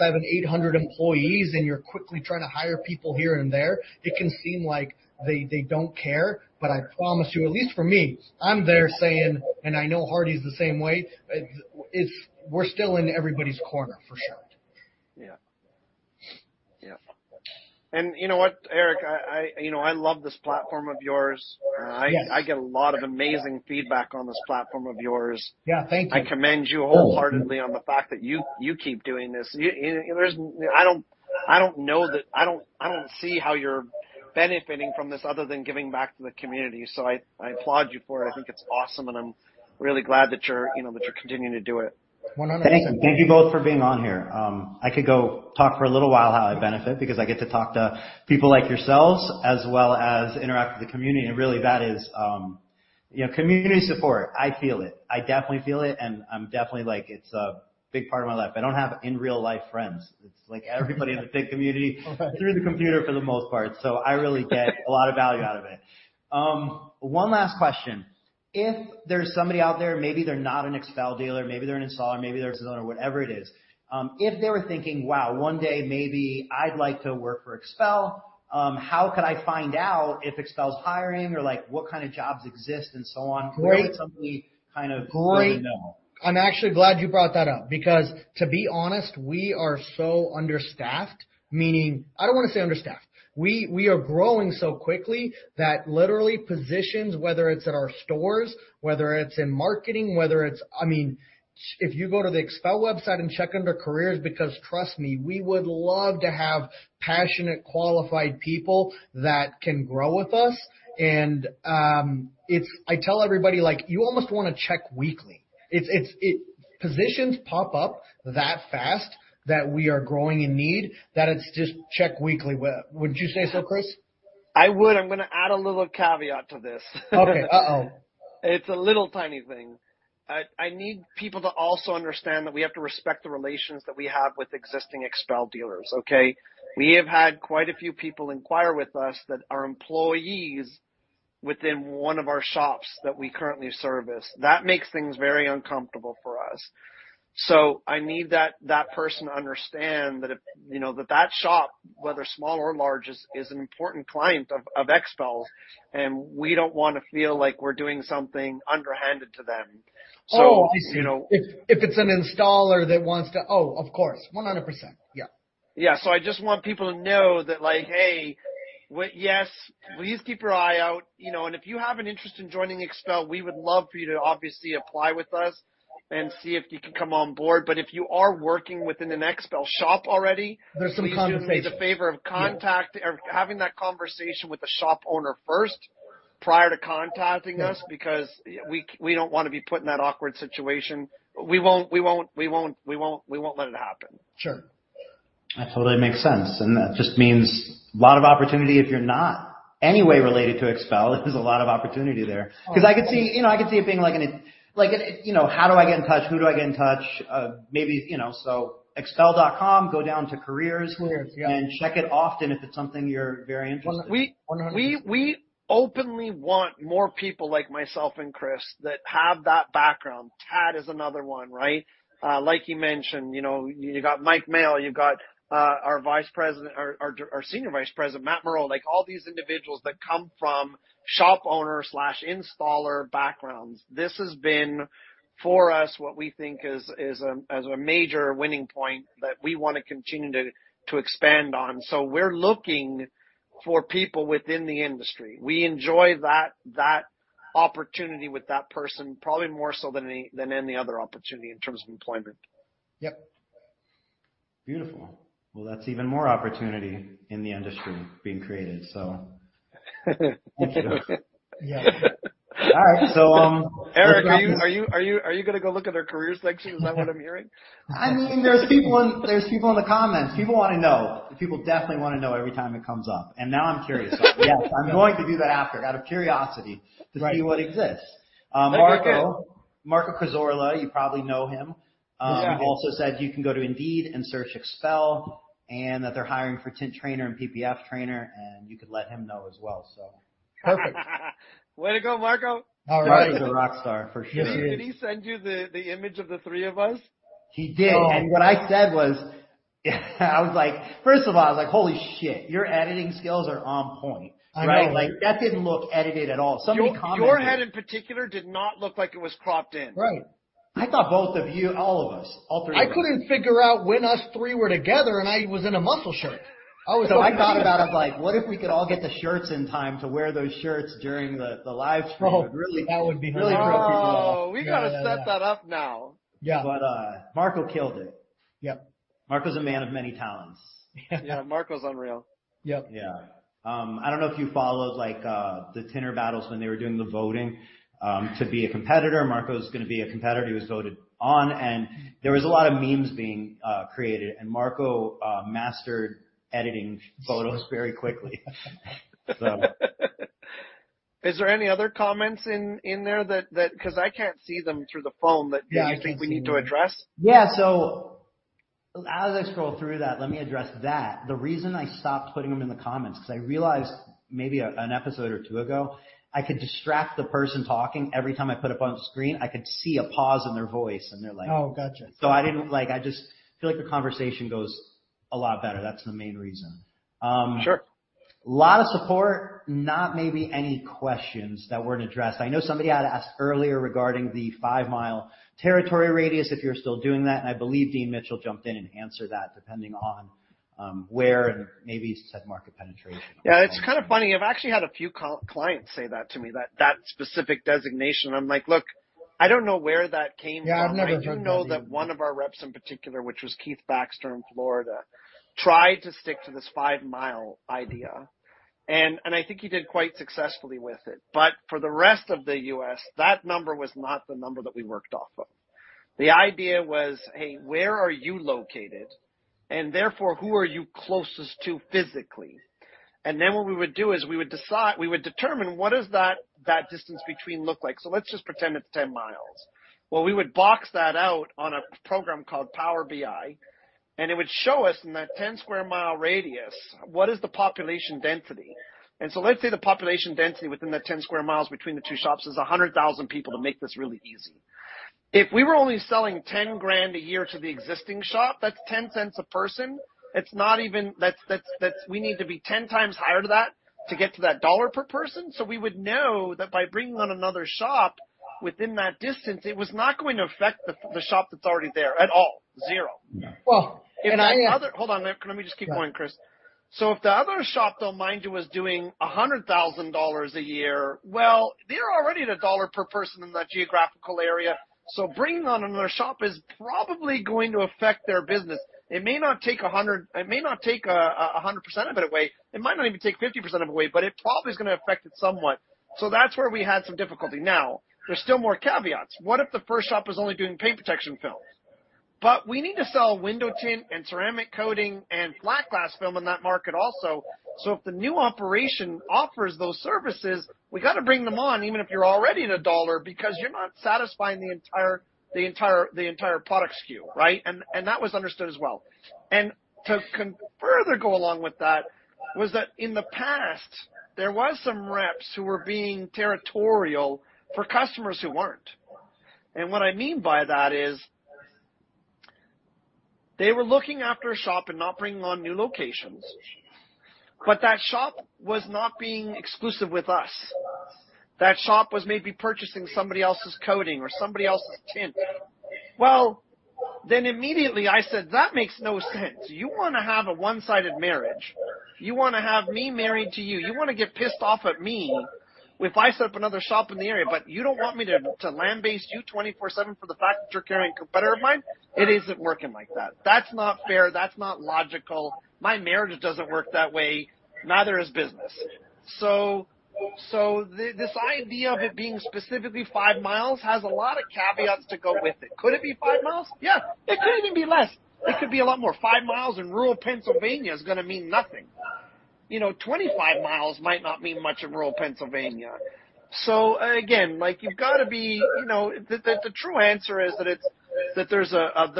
700-800 employees and you're quickly trying to hire people here and there, it can seem like they don't care. I promise you, at least for me, I'm there saying, and I know Hardy's the same way, we're still in everybody's corner for sure. Yeah. Yeah. You know what, Erik? You know, I love this platform of yours. Yes. I get a lot of amazing feedback on this platform of yours. Yeah. Thank you. I commend you wholeheartedly on the fact that you keep doing this. You know, I don't see how you're benefiting from this other than giving back to the community. I applaud you for it. I think it's awesome, and I'm really glad that you're, you know, that you're continuing to do it. 100%. Thank you. Thank you both for being on here. I could go talk for a little while how I benefit because I get to talk to people like yourselves as well as interact with the community, and really that is, you know, community support. I feel it. I definitely feel it, and I'm definitely like, it's a big part of my life. I don't have in real life friends. It's like everybody in the film community- Right. through the computer for the most part. I really get a lot of value out of it. One last question. If there's somebody out there, maybe they're not an XPEL dealer, maybe they're an installer, maybe they're a zone or whatever it is, if they were thinking, "Wow, one day maybe I'd like to work for XPEL, how could I find out if XPEL's hiring or like what kind of jobs exist and so on?" Where would somebody kind of go to know? Great. I'm actually glad you brought that up because to be honest, we are so understaffed, meaning I don't want to say understaffed. We are growing so quickly that literally positions, whether it's at our stores, whether it's in marketing, whether it's I mean, if you go to the XPEL website and check under Careers, because trust me, we would love to have passionate, qualified people that can grow with us. I tell everybody like you almost wanna check weekly. Positions pop up that fast that we are growing in need, that it's just check weekly. Would you say so, Chris? I would. I'm gonna add a little caveat to this. Okay. Uh-oh. It's a little tiny thing. I need people to also understand that we have to respect the relations that we have with existing XPEL dealers, okay? We have had quite a few people inquire with us that are employees within one of our shops that we currently service, that makes things very uncomfortable for us. I need that person to understand that if, you know, that shop, whether small or large, is an important client of XPEL, and we don't wanna feel like we're doing something underhanded to them. You know- Oh, of course. 100%. Yeah. Yeah. I just want people to know that, like, hey, yes, please keep your eye out, you know. If you have an interest in joining XPEL, we would love for you to obviously apply with us and see if you can come on board. If you are working within an XPEL shop already- There's some conversations. Please do me the favor of contacting or having that conversation with the shop owner first prior to contacting us. Yeah because we don't wanna be put in that awkward situation. We won't let it happen. Sure. That totally makes sense. That just means a lot of opportunity if you're not in any way related to XPEL, there's a lot of opportunity there. Oh, yeah. I could see, you know, I could see it being like an, you know, how do I get in touch? Who do I get in touch? Maybe, you know, xpel.com, go down to Careers. Careers, yeah. Check it often if it's something you're very interested in. 100%. We openly want more people like myself and Chris that have that background. Tad is another one, right? Like you mentioned, you know, you got Michael Mayall, you got our Vice President or our Senior Vice President Matt Moreau, like all these individuals that come from shop owner/installer backgrounds. This has been, for us, what we think is a major winning point that we wanna continue to expand on. We're looking for people within the industry. We enjoy that opportunity with that person, probably more so than any other opportunity in terms of employment. Yep. Beautiful. Well, that's even more opportunity in the industry being created, so thank you. Yeah. All right. Erik, are you gonna go look at their careers section? Is that what I'm hearing? I mean, there's people in the comments. People wanna know. People definitely wanna know every time it comes up, and now I'm curious. Yes, I'm going to do that after out of curiosity. Right to see what exists. Marco. Marco Cazorla, you probably know him. Yes, I do. Also said you can go to Indeed and search XPEL, and that they're hiring for tint trainer and PPF trainer, and you could let him know as well, so. Perfect. Way to go, Marco. All right. Marco is a rock star, for sure. Yes, he is. Did he send you the image of the three of us? He did. Oh. What I said was, I was like, first of all, I was like, "Holy shit, your editing skills are on point. I know. Right? Like, that didn't look edited at all. Somebody commented. Your head in particular did not look like it was cropped in. Right. I thought both of you, all of us, all three of us. I couldn't figure out when us three were together, and I was in a muscle shirt. I was like I thought about it like, what if we could all get the shirts in time to wear those shirts during the live stream? Oh, that would be really cool. Really throw people off. Oh, we gotta set that up now. Yeah. Marco killed it. Yep. Marco's a man of many talents. Yeah. Marco's unreal. Yep. Yeah. I don't know if you followed like, the tinter battles when they were doing the voting, to be a competitor. Marco's gonna be a competitor. He was voted on, and there was a lot of memes being created, and Marco mastered editing photos very quickly. Is there any other comments in there that 'cause I can't see them through the phone, but do you think we need to address? Yeah, as I scroll through that, let me address that. The reason I stopped putting them in the comments, 'cause I realized maybe an episode or two ago, I could distract the person talking every time I put up on screen, I could see a pause in their voice, and they're like- Oh, gotcha. Like, I just feel like the conversation goes a lot better. That's the main reason. Sure. lot of support, not many questions that weren't addressed. I know somebody had asked earlier regarding the 5-mile territory radius, if you're still doing that, and I believe Dean Mitchell jumped in and answered that depending on where and maybe said market penetration. Yeah, it's kind of funny. I've actually had a few clients say that to me, that specific designation. I'm like, "Look, I don't know where that came from. Yeah, I've never heard that either. I do know that one of our reps in particular, which was Keith Baxter in Florida, tried to stick to this 5-mile idea, and I think he did quite successfully with it. For the rest of the U.S., that number was not the number that we worked off of. The idea was, hey, where are you located? Therefore, who are you closest to physically? What we would do is we would determine what does that distance between look like. Let's just pretend it's 10 miles. Well, we would box that out on a program called Power BI, and it would show us in that 10-square-mile radius, what is the population density. Let's say the population density within that 10 square miles between the two shops is 100,000 people to make this really easy. If we were only selling $10,000 a year to the existing shop, that's $0.10 a person. It's not even. That's we need to be 10 times higher than that to get to that $1 per person. We would know that by bringing on another shop within that distance, it was not going to affect the shop that's already there at all. Zero. Well. Hold on. Let me just keep going, Chris. If the other shop, though, mind you, was doing $100,000 a year, well, they're already at $1 per person in that geographical area, so bringing on another shop is probably going to affect their business. It may not take 100% of it away. It might not even take 50% of it away, but it probably is gonna affect it somewhat. That's where we had some difficulty. Now, there's still more caveats. What if the first shop was only doing paint protection films? We need to sell window tint and ceramic coating and flat glass film in that market also. If the new operation offers those services, we gotta bring them on, even if you're already at $1, because you're not satisfying the entire product SKU, right? That was understood as well. Further go along with that was that in the past, there was some reps who were being territorial for customers who weren't. What I mean by that is they were looking after a shop and not bringing on new locations, but that shop was not being exclusive with us. That shop was maybe purchasing somebody else's coating or somebody else's tint. Well, then immediately I said, "That makes no sense. You wanna have a one-sided marriage. You wanna have me married to you. You wanna get pissed off at me if I set up another shop in the area, but you don't want me to land base you 24/7 for the fact that you're carrying a competitor of mine? "It isn't working like that." That's not fair. That's not logical. My marriage doesn't work that way, neither is business. This idea of it being specifically 5 miles has a lot of caveats to go with it. Could it be 5 miles? Yeah. It could even be less. It could be a lot more. 5 miles in rural Pennsylvania is gonna mean nothing. You know, 25 miles might not mean much in rural Pennsylvania. Again, like, you've gotta be, you know. The true answer is that there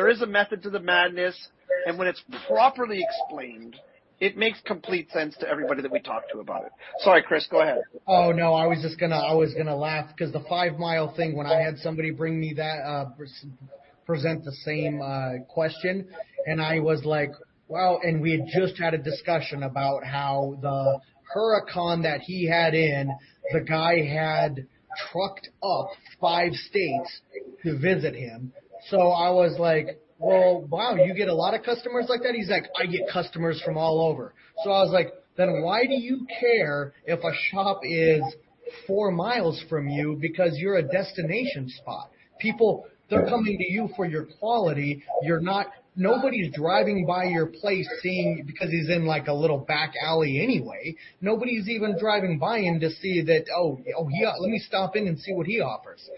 is a method to the madness, and when it's properly explained, it makes complete sense to everybody that we talk to about it. Sorry, Chris, go ahead. Oh, no, I was just gonna laugh 'cause the five-mile thing, when I had somebody bring me that, present the same question, and I was like, "Well," and we had just had a discussion about how the Huracán that he had in, the guy had trucked up five states to visit him. So I was like, "Well, wow, you get a lot of customers like that?" He's like, "I get customers from all over." So I was like, "Then why do you care if a shop is four miles from you because you're a destination spot? People, they're coming to you for your quality. You're not, nobody's driving by your place seeing." Because he's in, like, a little back alley anyway. Nobody's even driving by him to see that, "Oh, oh, he got. Let me stop in and see what he offers."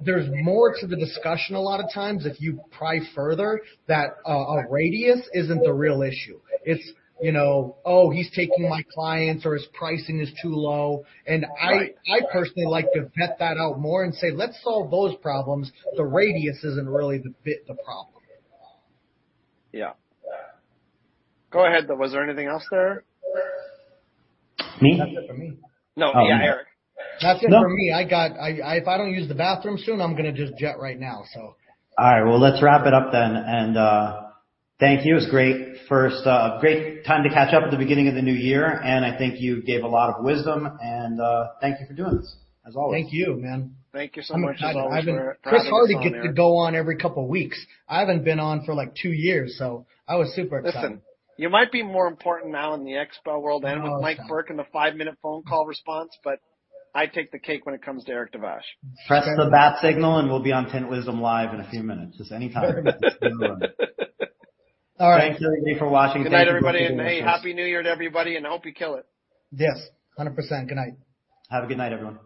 There's more to the discussion a lot of times if you pry further that a radius isn't the real issue. It's, you know, "Oh, he's taking my clients," or, "His pricing is too low. Right. I personally like to vet that out more and say, "Let's solve those problems. The radius isn't really the big, the problem. Yeah. Go ahead. Was there anything else there? Me? That's it for me. No. Yeah, Erik. That's it for me. If I don't use the bathroom soon, I'm gonna just jet right now, so. All right. Well, let's wrap it up then. Thank you. It was a great time to catch up at the beginning of the new year, and I think you gave a lot of wisdom and thank you for doing this as always. Thank you, man. Thank you so much as always for having us on here. Chris Hardy gets to go on every couple weeks. I haven't been on for, like, 2 years, so I was super excited. Listen, you might be more important now in the expo world than with Mike Burke and the five-minute phone call response, but I take the cake when it comes to Erik Devash. Press the bat signal, and we'll be on Tint Wiz live in a few minutes. Just anytime. All right. Thanks, everybody, for watching. Thank you for booking this. Good night, everybody, and hey, Happy New Year to everybody, and I hope you kill it. Yes, 100%. Good night. Have a good night, everyone.